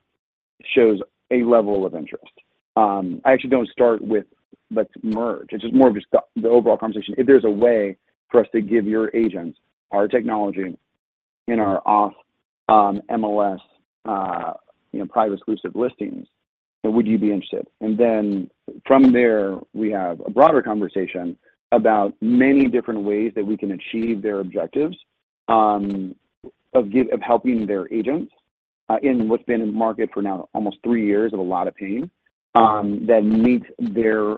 shows a level of interest. I actually don't start with, "Let's merge." It's just more of just the overall conversation. If there's a way for us to give your agents our technology and our off-MLS Private Exclusive listings, would you be interested?" And then from there, we have a broader conversation about many different ways that we can achieve their objectives of helping their agents in what's been in the market for now almost three years of a lot of pain that meets their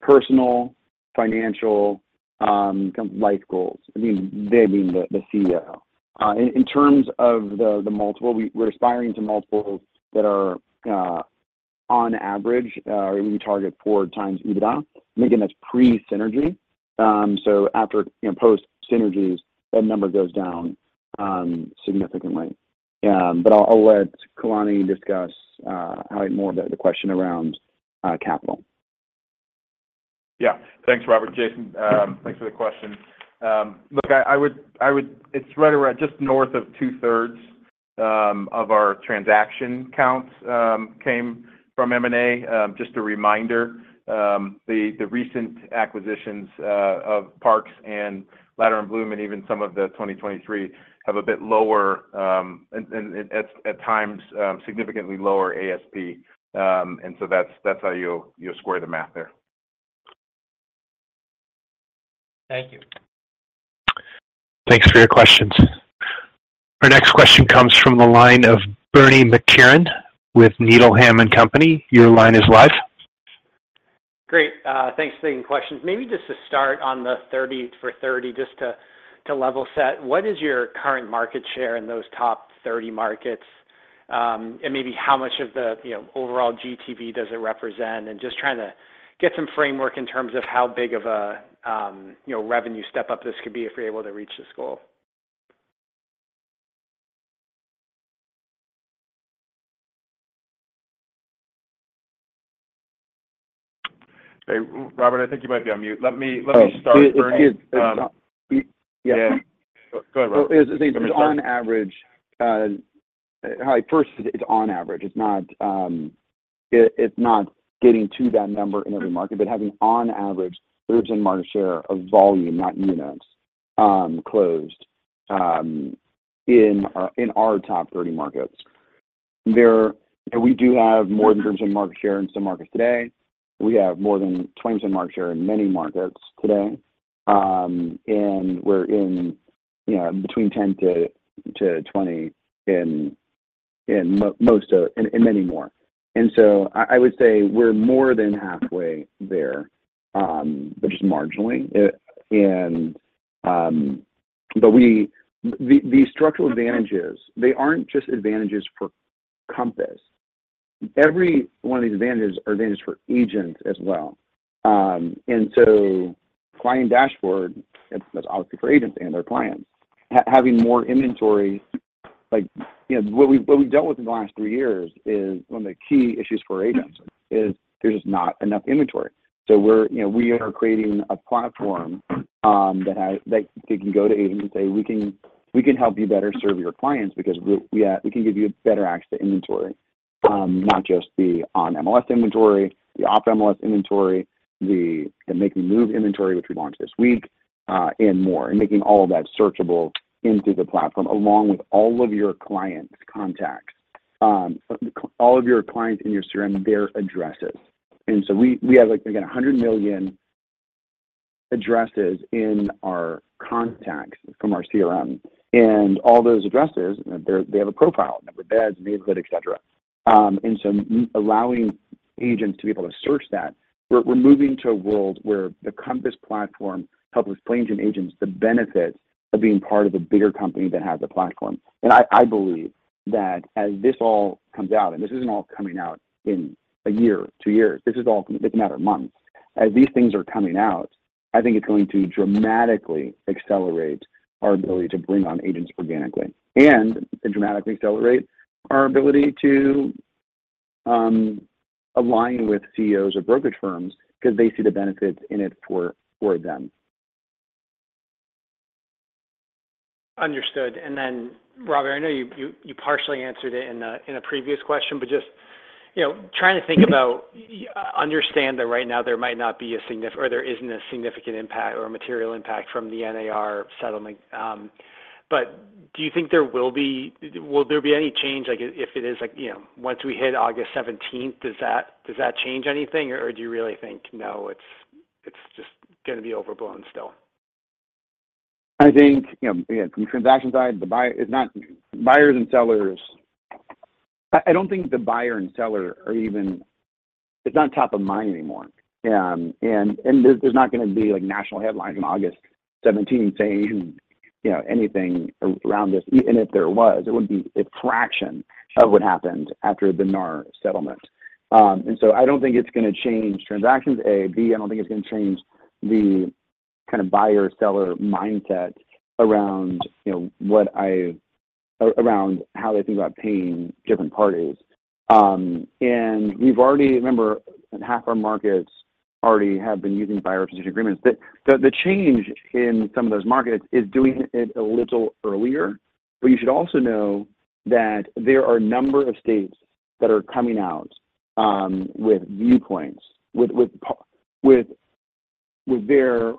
personal, financial, kind of life goals. I mean, they being the CEO. In terms of the multiple, we're aspiring to multiples that are on average, we target 4x EBITDA. And again, that's pre-synergy. So after post-synergies, that number goes down significantly. But I'll let Kalani discuss more of the question around capital. Yeah. Thanks, Robert. Jason, thanks for the question. Look, I would, it's right around just north of 2/3 of our transaction counts came from M&A. Just a reminder, the recent acquisitions of Parks and Latter & Blum and even some of the 2023 have a bit lower, and at times, significantly lower ASP. And so that's how you'll square the math there. Thank you. Thank you for your questions. Our next question comes from the line of Bernie McTernan with Needham & Company. Your line is live. Great. Thanks for taking questions. Maybe just to start on the 30 for 30, just to level set, what is your current market share in those top 30 markets? And maybe how much of the overall GTV does it represent? And just trying to get some framework in terms of how big of a revenue step-up this could be if you're able to reach this goal. Hey, Robert, I think you might be on mute. Let me start. Yeah. Go ahead, Robert. On average, probably first, it's on average. It's not getting to that number in every market, but having on average 13% market share of volume, not units, closed in our top 30 markets. We do have more than 13% market share in some markets today. We have more than 20% market share in many markets today. And we're in between 10%-20% in many more. And so I would say we're more than halfway there, but just marginally. But these structural advantages, they aren't just advantages for Compass. Every one of these advantages are advantages for agents as well. And so Client Dashboard, that's obviously for agents and their clients. Having more inventory, what we've dealt with in the last three years is one of the key issues for agents is there's just not enough inventory. So we are creating a platform that can go to agents and say, "We can help you better serve your clients because we can give you better access to inventory, not just the on-MLS inventory, the off-MLS inventory, the Make Me Move inventory, which we launched this week, and more." And making all of that searchable into the platform along with all of your clients' contacts, all of your clients in your CRM, their addresses. And so we have, again, 100 million addresses in our contacts from our CRM. And all those addresses, they have a profile, number of beds, neighborhood, etc. And so allowing agents to be able to search that, we're moving to a world where the Compass platform helps explain to agents the benefits of being part of a bigger company that has a platform. I believe that as this all comes out, and this isn't all coming out in a year, two years. This is all, it's a matter of months. As these things are coming out, I think it's going to dramatically accelerate our ability to bring on agents organically and dramatically accelerate our ability to align with CEOs of brokerage firms because they see the benefits in it for them. Understood. Then, Robert, I know you partially answered it in a previous question, but just trying to think about, understand that right now there might not be a significant or there isn't a significant impact or material impact from the NAR settlement. But do you think there will be any change? If it is, once we hit August 17th, does that change anything? Or do you really think, no, it's just going to be overblown still? I think, again, from the transaction side, the buyers and sellers, I don't think the buyer and seller are even; it's not top of mind anymore. And there's not going to be national headlines on August 17th saying anything around this. And if there was, it would be a fraction of what happened after the NAR settlement. And so I don't think it's going to change transactions. A, and B, I don't think it's going to change the kind of buyer-seller mindset around what I around how they think about paying different parties. And we've already, remember, half our markets already have been using buyer representation agreements. The change in some of those markets is doing it a little earlier. But you should also know that there are a number of states that are coming out with viewpoints, with their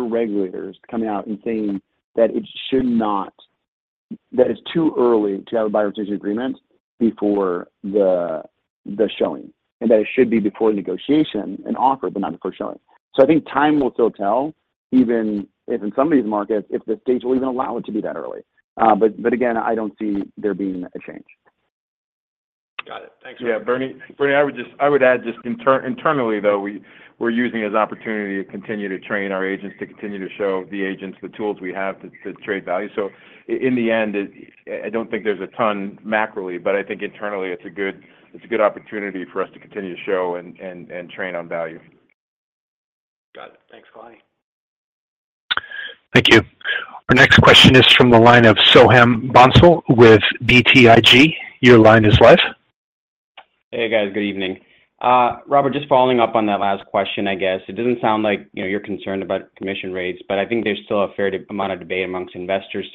regulators coming out and saying that it should not, that it's too early to have a buyer representation agreement before the showing. And that it should be before negotiation and offer, but not before showing. So I think time will still tell, even if in some of these markets, if the states will even allow it to be that early. But again, I don't see there being a change. Got it. Thanks, Robert. Yeah, Bernie, I would add just internally, though, we're using it as an opportunity to continue to train our agents, to continue to show the agents the tools we have to trade value. So in the end, I don't think there's a ton macroly, but I think internally, it's a good opportunity for us to continue to show and train on value. Got it. Thanks, Kalani. Thank you. Our next question is from the line of Soham Bhonsle with BTIG. Your line is live. Hey, guys. Good evening. Robert, just following up on that last question, I guess. It doesn't sound like you're concerned about commission rates, but I think there's still a fair amount of debate amongst investors.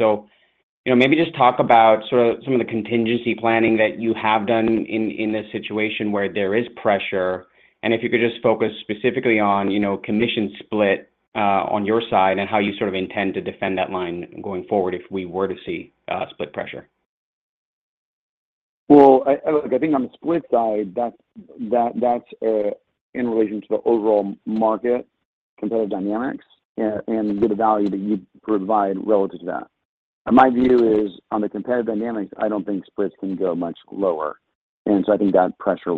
So maybe just talk about sort of some of the contingency planning that you have done in this situation where there is pressure. And if you could just focus specifically on commission split on your side and how you sort of intend to defend that line going forward if we were to see split pressure. Well, look, I think on the split side, that's in relation to the overall market, competitive dynamics, and the value that you provide relative to that. My view is, on the competitive dynamics, I don't think splits can go much lower. And so I think that pressure,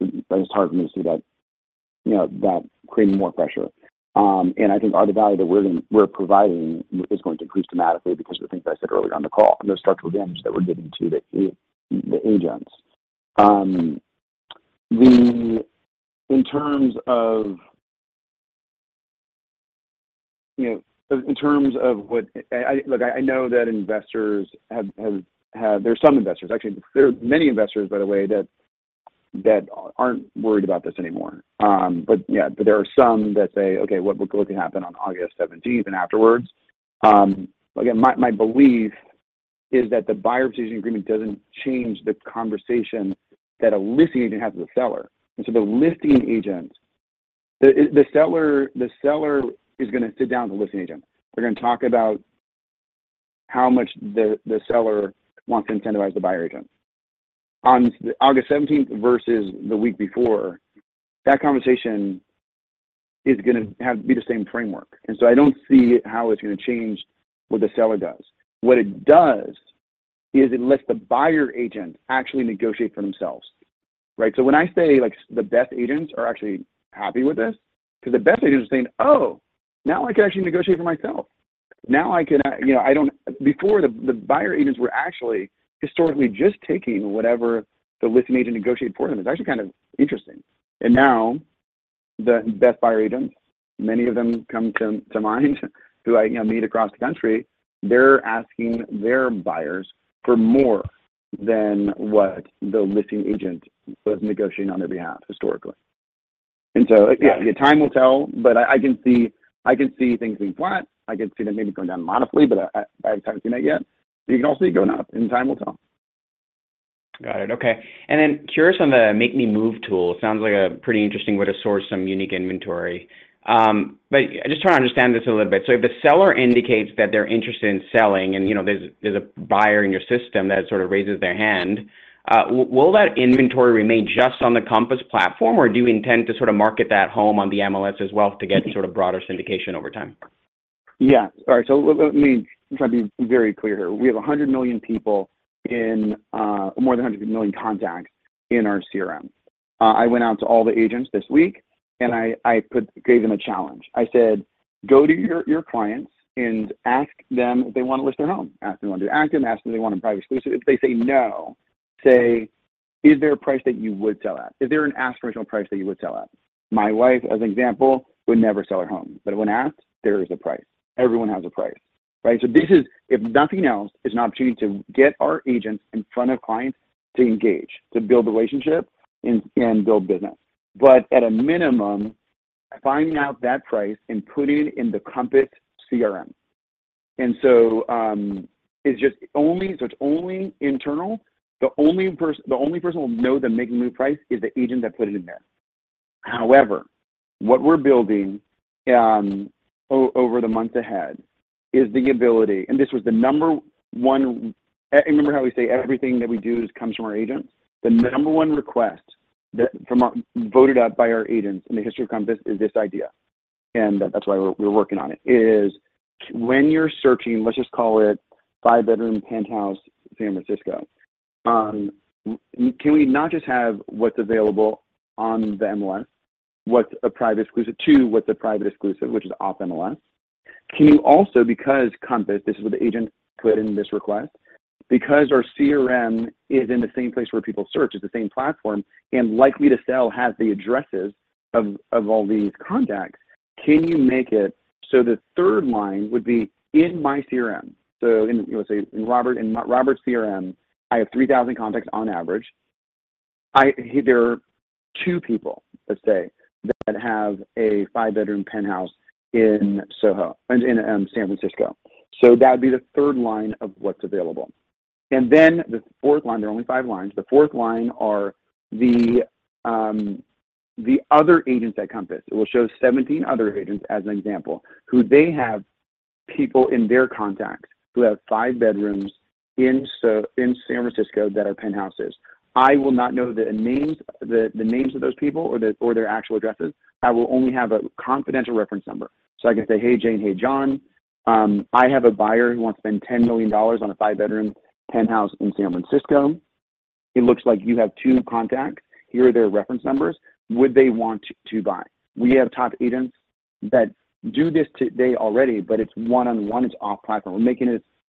it's hard for me to see that creating more pressure. And I think the value that we're providing is going to increase dramatically because of the things I said earlier on the call, the structural advantage that we're giving to the agents. In terms of what, look, I know that investors have had, there's some investors, actually, there are many investors, by the way, that aren't worried about this anymore. But yeah, there are some that say, "Okay, what can happen on August 17th and afterwards?" Again, my belief is that the buyer representation agreement doesn't change the conversation that a listing agent has with the seller. And so the listing agent, the seller is going to sit down with the listing agent. They're going to talk about how much the seller wants to incentivize the buyer agent. On August 17th versus the week before, that conversation is going to be the same framework. And so I don't see how it's going to change what the seller does. What it does is it lets the buyer agent actually negotiate for themselves. Right? So when I say the best agents are actually happy with this, because the best agents are saying, "Oh, now I can actually negotiate for myself. Now, I can. "Before, the buyer agents were actually historically just taking whatever the listing agent negotiated for them. It's actually kind of interesting. And now the best buyer agents, many of them come to mind who I meet across the country, they're asking their buyers for more than what the listing agent was negotiating on their behalf historically. And so, yeah, time will tell, but I can see things being flat. I can see them maybe going down modestly, but I haven't seen that yet. But you can also see it going up, and time will tell." Got it. Okay. And then, curious on the Make Me Move tool. It sounds like a pretty interesting way to source some unique inventory. But I just try to understand this a little bit. So if the seller indicates that they're interested in selling and there's a buyer in your system that sort of raises their hand, will that inventory remain just on the Compass platform, or do you intend to sort of market that home on the MLS as well to get sort of broader syndication over time? Yeah. All right. So let me try to be very clear here. We have 100 million people in more than 100 million contacts in our CRM. I went out to all the agents this week, and I gave them a challenge. I said, "Go to your clients and ask them if they want to list their home. Ask them if they want to do active and ask them if they want to Private Exclusive. If they say no, say, 'Is there a price that you would sell at?' “Is there an aspirational price that you would sell at?” My wife, as an example, would never sell her home. But when asked, there is a price. Everyone has a price. Right? So this is, if nothing else, it's an opportunity to get our agents in front of clients to engage, to build relationships and build business. But at a minimum, finding out that price and putting it in the Compass CRM. And so it's only internal. The only person will know the Make Me Move price is the agent that put it in there. However, what we're building over the months ahead is the ability, and this was the number one, remember how we say everything that we do comes from our agents? The number one request voted up by our agents in the history of Compass is this idea. And that's why we're working on it. It's when you're searching, let's just call it 5-bedroom penthouse San Francisco, can we not just have what's available on the MLS, what's a Private Exclusive to what's a Private Exclusive, which is off MLS? Can you also, because Compass, this is what the agent put in this request, because our CRM is in the same place where people search, it's the same platform, and Likely to Sell has the addresses of all these contacts, can you make it so the third line would be in my CRM? So let's say in Robert's CRM, I have 3,000 contacts on average. There are two people, let's say, that have a five-bedroombedroom penthouse in San Francisco. So that would be the third line of what's available. And then the fourth line, there are only five lines. The fourth line are the other agents at Compass. It will show 17 other agents, as an example, who they have people in their contacts who have five bedrooms in San Francisco that are penthouses. I will not know the names of those people or their actual addresses. I will only have a confidential reference number. So I can say, "Hey, Jane, hey, John, I have a buyer who wants to spend $10 million on a five-bedroom penthouse in San Francisco. It looks like you have two contacts. Here are their reference numbers. Would they want to buy?" We have top agents that do this today already, but it's one-on-one. It's off platform.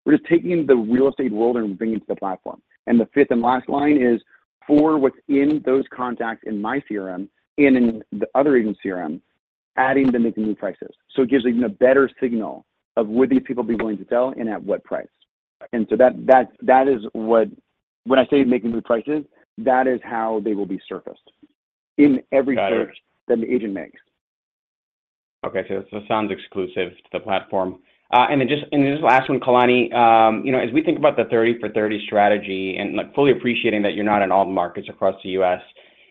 We're just taking the real estate world and bringing it to the platform. And the fifth and last line is for what's in those contacts in my CRM and in the other agent's CRM, adding the Make Me Move prices. So it gives even a better signal of would these people be willing to sell and at what price. And so that is what when I say Make Me Move prices, that is how they will be surfaced in every search that an agent makes. Okay. So it sounds exclusive to the platform. And then just last one, Kalani, as we think about the 30 for 30 strategy and fully appreciating that you're not in all the markets across the U.S.,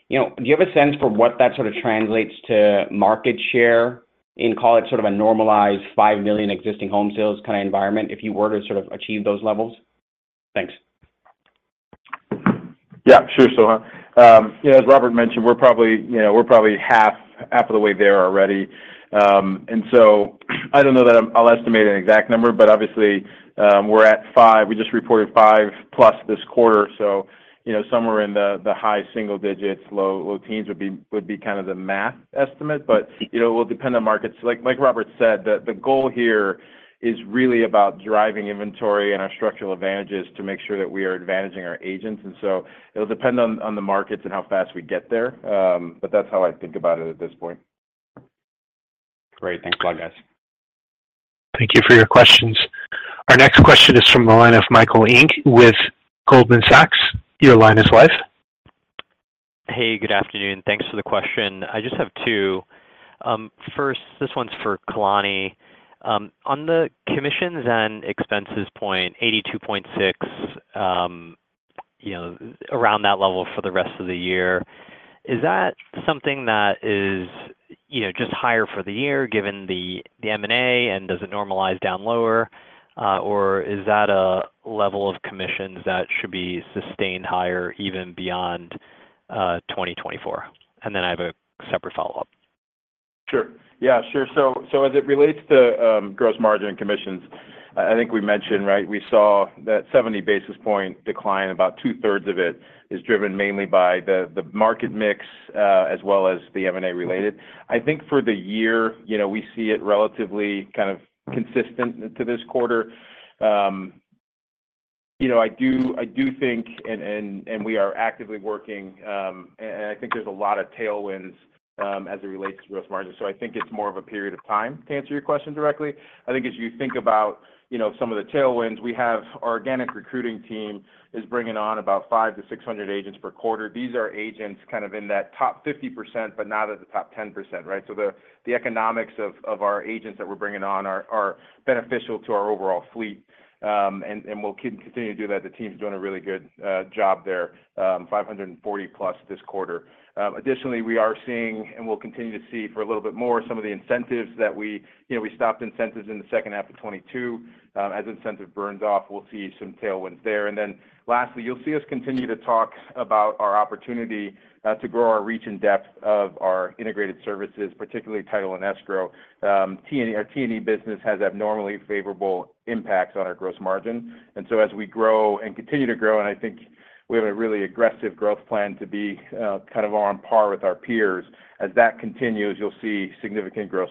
do you have a sense for what that sort of translates to market share in, call it sort of a normalized 5 million existing home sales kind of environment if you were to sort of achieve those levels? Thanks. Yeah. Sure, Soham. As Robert mentioned, we're probably half the way there already. And so I don't know that I'll estimate an exact number, but obviously, we're at five. We just reported 5+ this quarter. So somewhere in the high single digits, low teens would be kind of the math estimate. But it will depend on markets. Like Robert said, the goal here is really about driving inventory and our structural advantages to make sure that we are advantaging our agents. And so it'll depend on the markets and how fast we get there. But that's how I think about it at this point. Great. Thanks a lot, guys. Thank you for your questions. Our next question is from the line of Michael Ng with Goldman Sachs. Your line is live. Hey, good afternoon. Thanks for the question. I just have two. First, this one's for Kalani. On the commissions and expenses point, 82.6, around that level for the rest of the year, is that something that is just higher for the year given the M&A and does it normalize down lower, or is that a level of commissions that should be sustained higher even beyond 2024? And then I have a separate follow-up. Sure. Yeah. Sure. So as it relates to gross margin commissions, I think we mentioned, right, we saw that 70 basis points decline, about two-thirds of it is driven mainly by the market mix as well as the M&A related. I think for the year, we see it relatively kind of consistent to this quarter. I do think, and we are actively working, and I think there's a lot of tailwinds as it relates to gross margin. So I think it's more of a period of time to answer your question directly. I think as you think about some of the tailwinds, we have our organic recruiting team is bringing on about 5-600 agents per quarter. These are agents kind of in that top 50%, but not at the top 10%, right? So the economics of our agents that we're bringing on are beneficial to our overall fleet. And we'll continue to do that. The team's doing a really good job there, 540+ this quarter. Additionally, we are seeing, and we'll continue to see for a little bit more, some of the incentives that we stopped incentives in the second half of 2022. As incentive burns off, we'll see some tailwinds there. And then lastly, you'll see us continue to talk about our opportunity to grow our reach and depth of our integrated services, particularly title and escrow. Our T&E business has abnormally favorable impacts on our gross margin. As we grow and continue to grow, and I think we have a really aggressive growth plan to be kind of on par with our peers, as that continues, you'll see significant gross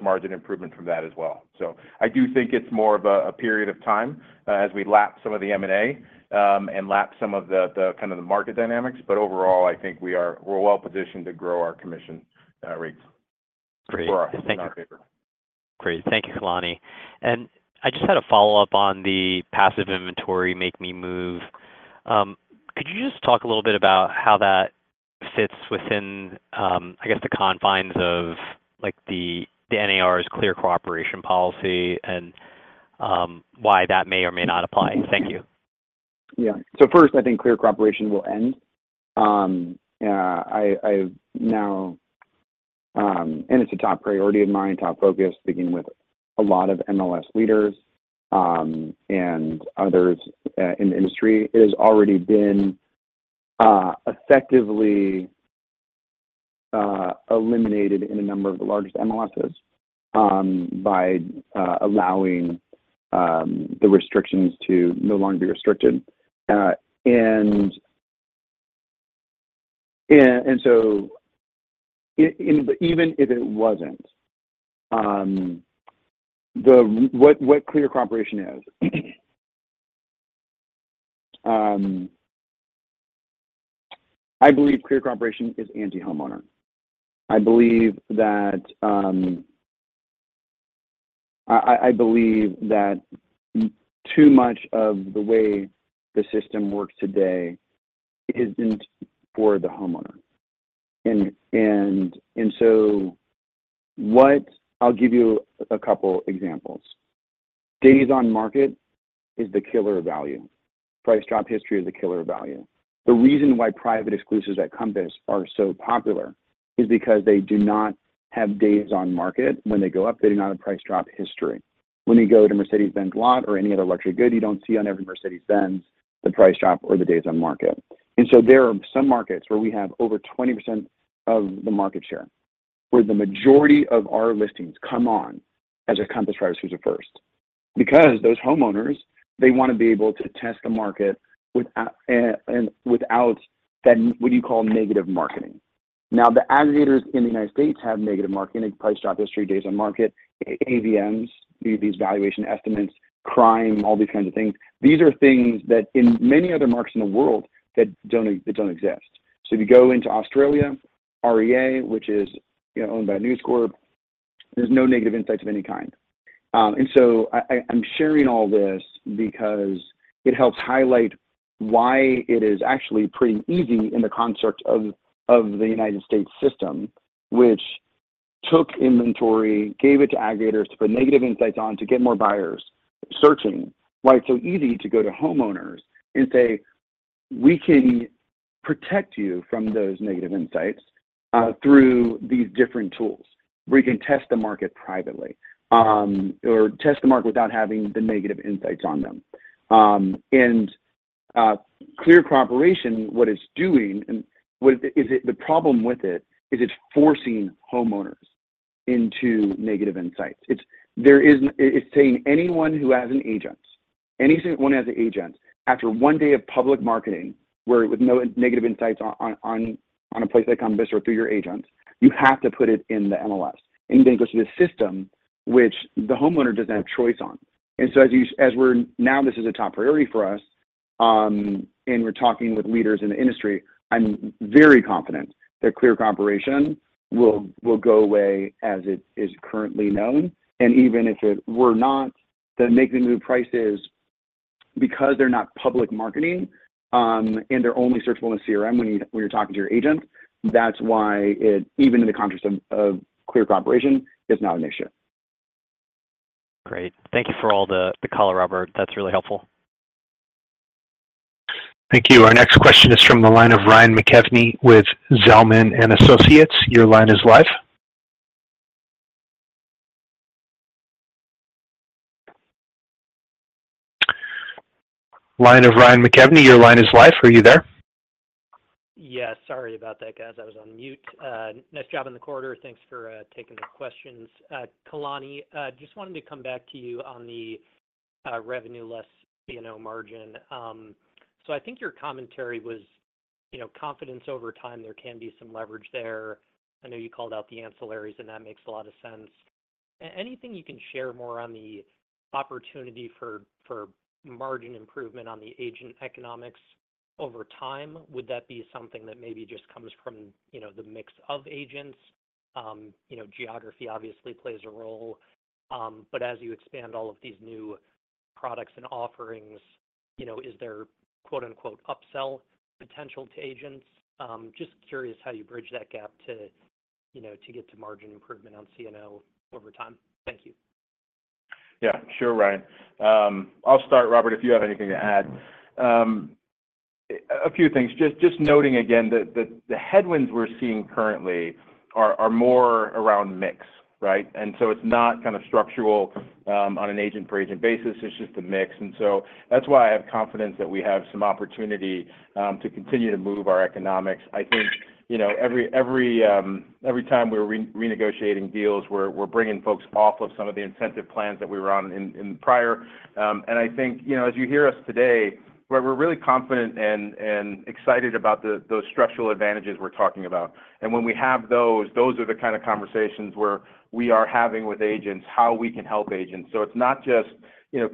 margin improvement from that as well. So I do think it's more of a period of time as we lap some of the M&A and lap some of the kind of the market dynamics. But overall, I think we're well positioned to grow our commission rates. Great. Thank you. Great. Thank you, Kalani. And I just had a follow-up on the passive inventory Make Me Move. Could you just talk a little bit about how that fits within, I guess, the confines of the NAR's Clear Cooperation Policy and why that may or may not apply? Thank you. Yeah. So first, I think Clear Cooperation will end. It's a top priority of mine, top focus, speaking with a lot of MLS leaders and others in the industry. It has already been effectively eliminated in a number of the largest MLSs by allowing the restrictions to no longer be restricted. And so even if it wasn't, what clear cooperation is? I believe Clear Cooperation is anti-homeowner. I believe that too much of the way the system works today isn't for the homeowner. And so I'll give you a couple of examples. Days on market is the killer of value. Price drop history is a killer of value. The reason why Private Exclusives at Compass are so popular is because they do not have days on market. When they go up, they do not have price drop history. When you go to Mercedes-Benz lot or any other luxury good, you don't see on every Mercedes-Benz the price drop or the days on market. So there are some markets where we have over 20% of the market share, where the majority of our listings come on as a Compass Private Exclusive first. Because those homeowners, they want to be able to test the market without that, what do you call, negative marketing. Now, the aggregators in the United States have negative marketing, price drop history, days on market, AVMs, these valuation estimates, crime, all these kinds of things. These are things that in many other markets in the world that don't exist. So if you go into Australia, REA, which is owned by News Corp, there's no negative insights of any kind. And so I'm sharing all this because it helps highlight why it is actually pretty easy in the construct of the United States system, which took inventory, gave it to aggregators to put negative insights on to get more buyers searching. Why it's so easy to go to homeowners and say, "We can protect you from those negative insights through these different tools. We can test the market privately or test the market without having the negative insights on them." And Clear Cooperation, what it's doing is the problem with it is it's forcing homeowners into negative insights. It's saying anyone who has an agent, anyone who has an agent, after one day of public marketing with no negative insights on a place like Compass or through your agents, you have to put it in the MLS. And then it goes to the system, which the homeowner doesn't have a choice on. And so as we're now, this is a top priority for us, and we're talking with leaders in the industry. I'm very confident that Clear Cooperation will go away as it is currently known. And even if it were not, the Make Me Move prices, because they're not public marketing and they're only searchable in the CRM when you're talking to your agent, that's why it, even in the context of Clear Cooperation, is not an issue. Great. Thank you for all the color, Robert. That's really helpful. Thank you. Our next question is from the line of Ryan McKeveny with Zelman & Associates. Your line is live. Line of Ryan McKeveny, your line is live. Are you there? Yes. Sorry about that, guys. I was on mute. Nice job in the quarter. Thanks for taking the questions. Kalani, just wanted to come back to you on the revenue less margin. So I think your commentary was confident over time. There can be some leverage there. I know you called out the ancillaries, and that makes a lot of sense. Anything you can share more on the opportunity for margin improvement on the agent economics over time? Would that be something that maybe just comes from the mix of agents? Geography obviously plays a role. But as you expand all of these new products and offerings, is there "upsell" potential to agents? Just curious how you bridge that gap to get to margin improvement on C&O over time. Thank you. Yeah. Sure, Ryan. I'll start, Robert, if you have anything to add. A few things. Just noting again that the headwinds we're seeing currently are more around mix, right? So it's not kind of structural on an agent-for-agent basis. It's just a mix. That's why I have confidence that we have some opportunity to continue to move our economics. I think every time we're renegotiating deals, we're bringing folks off of some of the incentive plans that we were on in the prior. I think as you hear us today, we're really confident and excited about those structural advantages we're talking about. And when we have those, those are the kind of conversations where we are having with agents, how we can help agents. So it's not just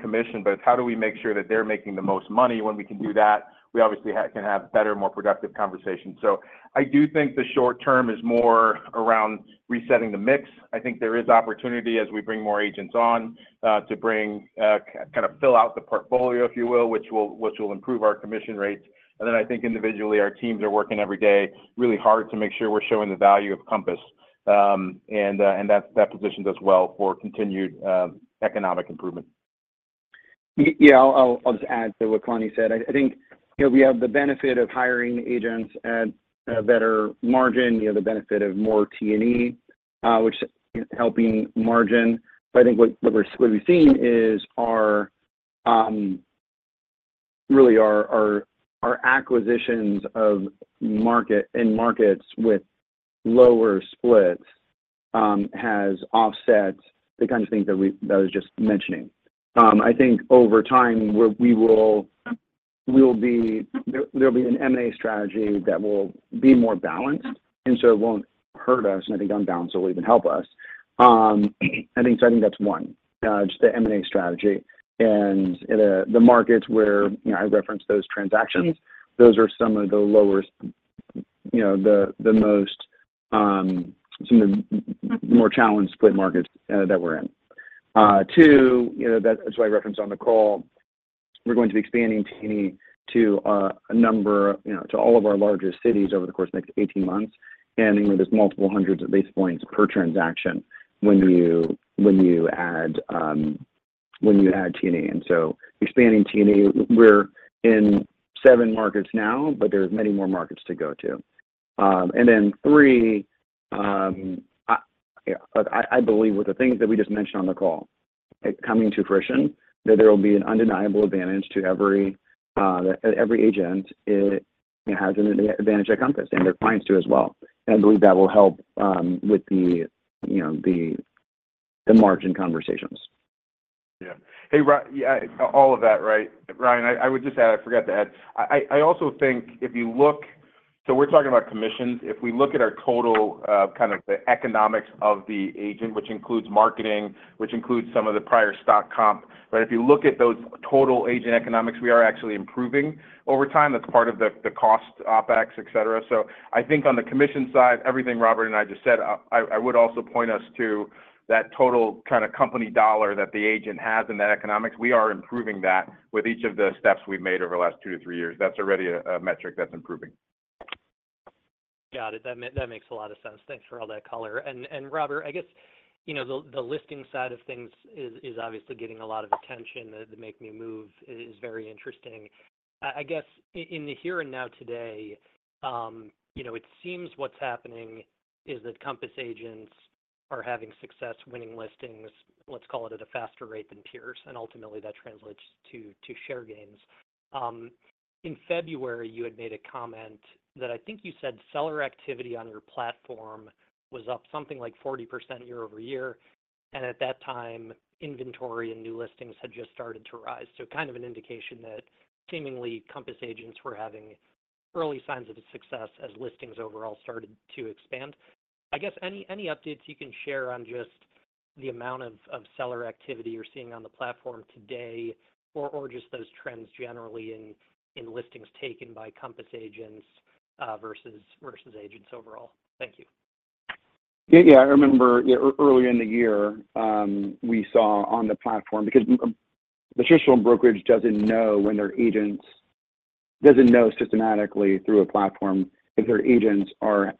commission, but it's how do we make sure that they're making the most money when we can do that? We obviously can have better, more productive conversations. So I do think the short term is more around resetting the mix. I think there is opportunity as we bring more agents on to kind of fill out the portfolio, if you will, which will improve our commission rates. And then I think individually, our teams are working every day really hard to make sure we're showing the value of Compass. And that position does well for continued economic improvement. Yeah. I'll just add to what Kalani said. I think we have the benefit of hiring agents at a better margin, the benefit of more T&E, which is helping margin. But I think what we've seen is really our acquisitions of markets with lower splits has offset the kind of things that I was just mentioning. I think over time, there will be an M&A strategy that will be more balanced. And so it won't hurt us. And I think unbalanced will even help us. I think that's one, just the M&A strategy. And the markets where I referenced those transactions, those are some of the lowest, the most, some of the more challenged split markets that we're in. Two, that's why I referenced on the call, we're going to be expanding T&E to a number of all of our largest cities over the course of the next 18 months. And there's multiple hundreds of basis points per transaction when you add T&E. And so expanding T&E, we're in seven markets now, but there are many more markets to go to. And then three, I believe with the things that we just mentioned on the call coming to fruition, that there will be an undeniable advantage to every agent that has an advantage at Compass, and their clients do as well. And I believe that will help with the margin conversations. Yeah. Hey, all of that, right? Ryan, I would just add, I forgot to add. I also think if you look so we're talking about commissions. If we look at our total kind of the economics of the agent, which includes marketing, which includes some of the prior stock comp, right? If you look at those total agent economics, we are actually improving over time. That's part of the cost, OpEx, etc. So I think on the commission side, everything Robert and I just said, I would also point us to that total kind of company dollar that the agent has in that economics. We are improving that with each of the steps we've made over the last 2-3 years. That's already a metric that's improving. Got it. That makes a lot of sense. Thanks for all that, color. Robert, I guess the listing side of things is obviously getting a lot of attention. The Make Me Move is very interesting. I guess in the here and now today, it seems what's happening is that Compass agents are having success, winning listings, let's call it at a faster rate than peers. Ultimately, that translates to share gains. In February, you had made a comment that I think you said seller activity on your platform was up something like 40% year-over-year. At that time, inventory and new listings had just started to rise. Kind of an indication that seemingly Compass agents were having early signs of success as listings overall started to expand. I guess any updates you can share on just the amount of seller activity you're seeing on the platform today or just those trends generally in listings taken by Compass agents versus agents overall? Thank you. Yeah. I remember earlier in the year, we saw on the platform because traditional brokerage doesn't know when their agents doesn't know systematically through a platform if their agents are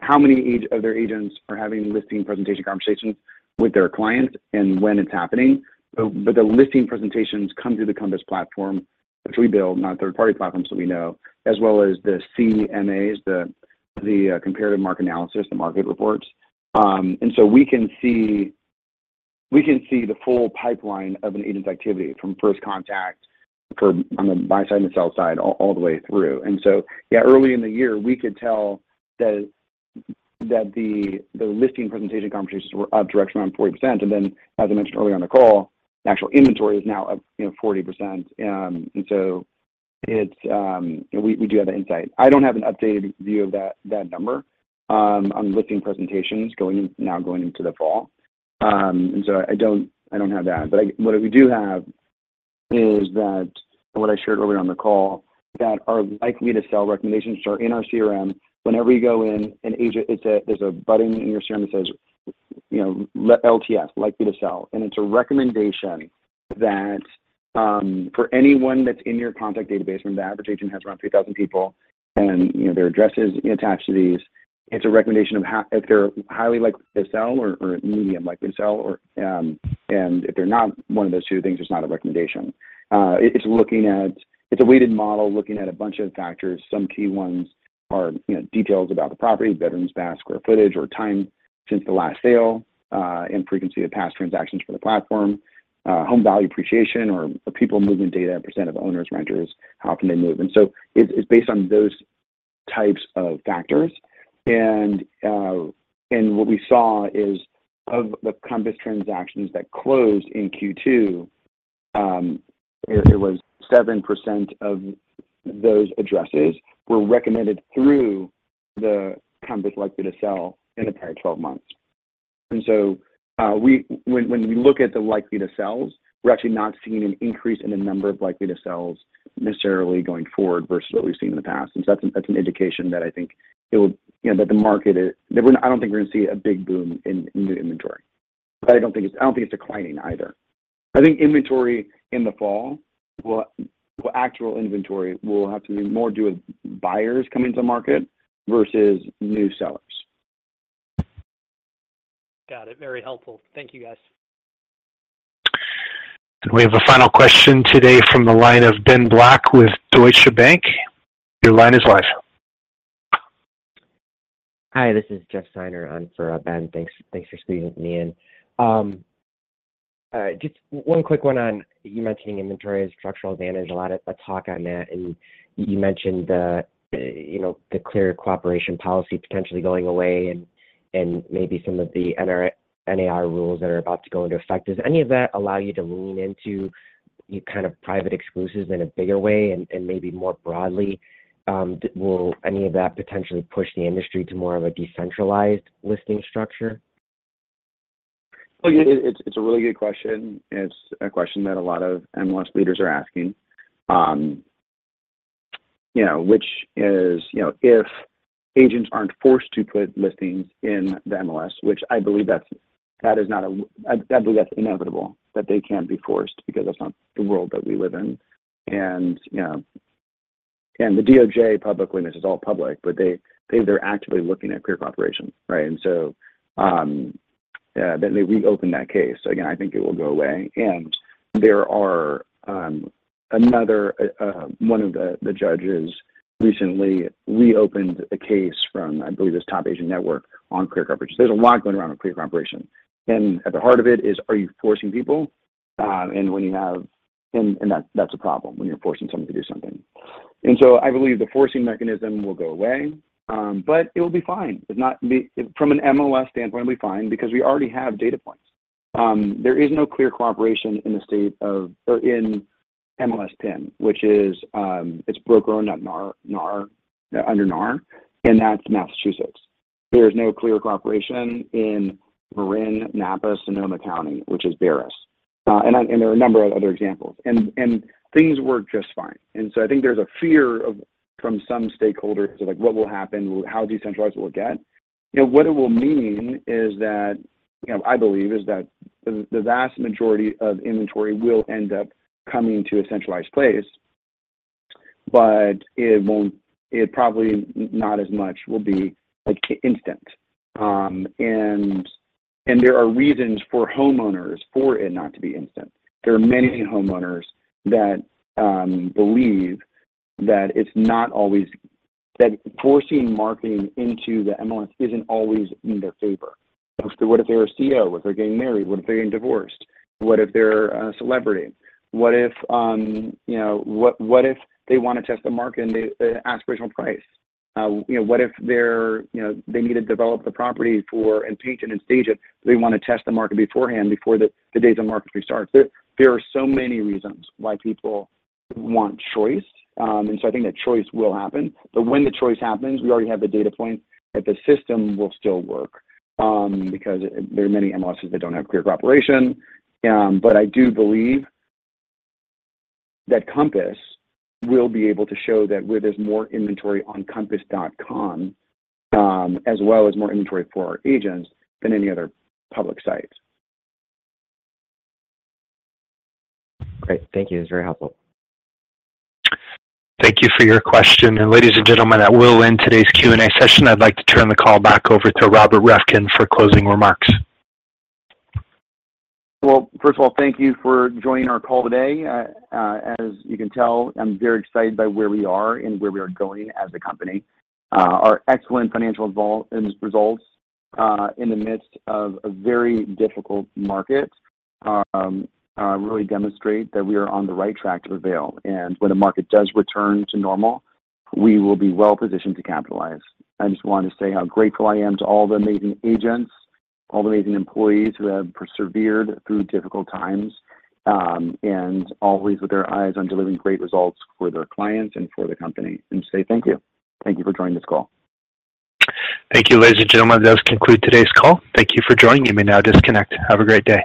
how many of their agents are having listing presentation conversations with their clients and when it's happening. But the listing presentations come through the Compass platform, which we build, not third-party platforms that we know, as well as the CMAs, the comparative market analysis, the market reports. And so we can see the full pipeline of an agent's activity from first contact on the buy side and the sell side all the way through. Yeah, early in the year, we could tell that the listing presentation conversations were up to around 40%. Then, as I mentioned earlier on the call, actual inventory is now up 40%. We do have that insight. I don't have an updated view of that number on listing presentations now going into the fall. I don't have that. But what we do have is that, and what I shared earlier on the call, that our Likely to Sell recommendations are in our CRM. Whenever you go in and there's a button in your CRM that says, "LTS, Likely to Sell." It's a recommendation that for anyone that's in your contact database, when the average agent has around 3,000 people and their address is attached to these, it's a recommendation of if they're highly likely to sell or medium likely to sell. If they're not one of those two things, it's not a recommendation. It's a weighted model looking at a bunch of factors. Some key ones are details about the property, bedrooms, past square footage, or time since the last sale, and frequency of past transactions for the platform, home value appreciation, or people moving data, percent of owners, renters, how often they move. So it's based on those types of factors. What we saw is of the Compass transactions that closed in Q2, it was 7% of those addresses were recommended through the Compass Likely to Sell in the prior 12 months. So when we look at the Likely to Sells, we're actually not seeing an increase in the number of Likely to Sells necessarily going forward versus what we've seen in the past. So that's an indication that I think it will that the market, I don't think we're going to see a big boom in new inventory. But I don't think it's declining either. I think inventory in the fall, actual inventory will have to do more with buyers coming to the market versus new sellers. Got it. Very helpful. Thank you, guys. We have a final question today from the line of Ben Black with Deutsche Bank. Your line is live. Hi, this is Jeff Steiner. I'm for Ben. Thanks for speaking with me in. Just one quick one on you mentioning inventory as a structural advantage. A lot of talk on that. And you mentioned the Clear Cooperation Policy potentially going away and maybe some of the NAR rules that are about to go into effect. Does any of that allow you to lean into kind of Private Exclusives in a bigger way and maybe more broadly? Will any of that potentially push the industry to more of a decentralized listing structure? Well, it's a really good question. It's a question that a lot of MLS leaders are asking, which is if agents aren't forced to put listings in the MLS, which I believe that's inevitable that they can't be forced because that's not the world that we live in. And the DOJ publicly dismisses all public, but they're actively looking at Clear Cooperation, right? And so then they reopen that case. So again, I think it will go away. And there are another one of the judges recently reopened a case from, I believe, this Top Agent Network on Clear Cooperation. There's a lot going around on Clear Cooperation. At the heart of it is, are you forcing people? And when you have and that's a problem when you're forcing somebody to do something. And so I believe the forcing mechanism will go away, but it will be fine. From an MLS standpoint, it'll be fine because we already have data points. There is no Clear Cooperation in the state of Oregon or in MLS PIN, which is its broker under NAR, and that's Massachusetts. There is no Clear Cooperation in Marin, Napa, Sonoma County, which is BAREIS. And there are a number of other examples. And things work just fine. And so I think there's a fear from some stakeholders of what will happen, how decentralized it will get. What it will mean is that I believe is that the vast majority of inventory will end up coming to a centralized place, but probably not as much will be instant. And there are reasons for homeowners for it not to be instant. There are many homeowners that believe that it's not always that forcing marketing into the MLS isn't always in their favor. What if they're a CEO? What if they're getting married? What if they're getting divorced? What if they're a celebrity? What if they want to test the market and the aspirational price? What if they need to develop the property for and paint it and stage it? They want to test the market beforehand, before the days of marketing starts. There are so many reasons why people want choice. And so I think that choice will happen. But when the choice happens, we already have the data points that the system will still work because there are many MLSs that don't have clear cooperation. But I do believe that Compass will be able to show that where there's more inventory on Compass.com, as well as more inventory for our agents than any other public sites. Great. Thank you. It was very helpful. Thank you for your question. Ladies and gentlemen, that will end today's Q&A session. I'd like to turn the call back over to Robert Reffkin for closing remarks. Well, first of all, thank you for joining our call today. As you can tell, I'm very excited by where we are and where we are going as a company. Our excellent financial results in the midst of a very difficult market really demonstrate that we are on the right track to prevail. When the market does return to normal, we will be well positioned to capitalize. I just wanted to say how grateful I am to all the amazing agents, all the amazing employees who have persevered through difficult times, and always with their eyes on delivering great results for their clients and for the company. Say thank you. Thank you for joining this call. Thank you, ladies and gentlemen. That'll conclude today's call. Thank you for joining. You may now disconnect. Have a great day.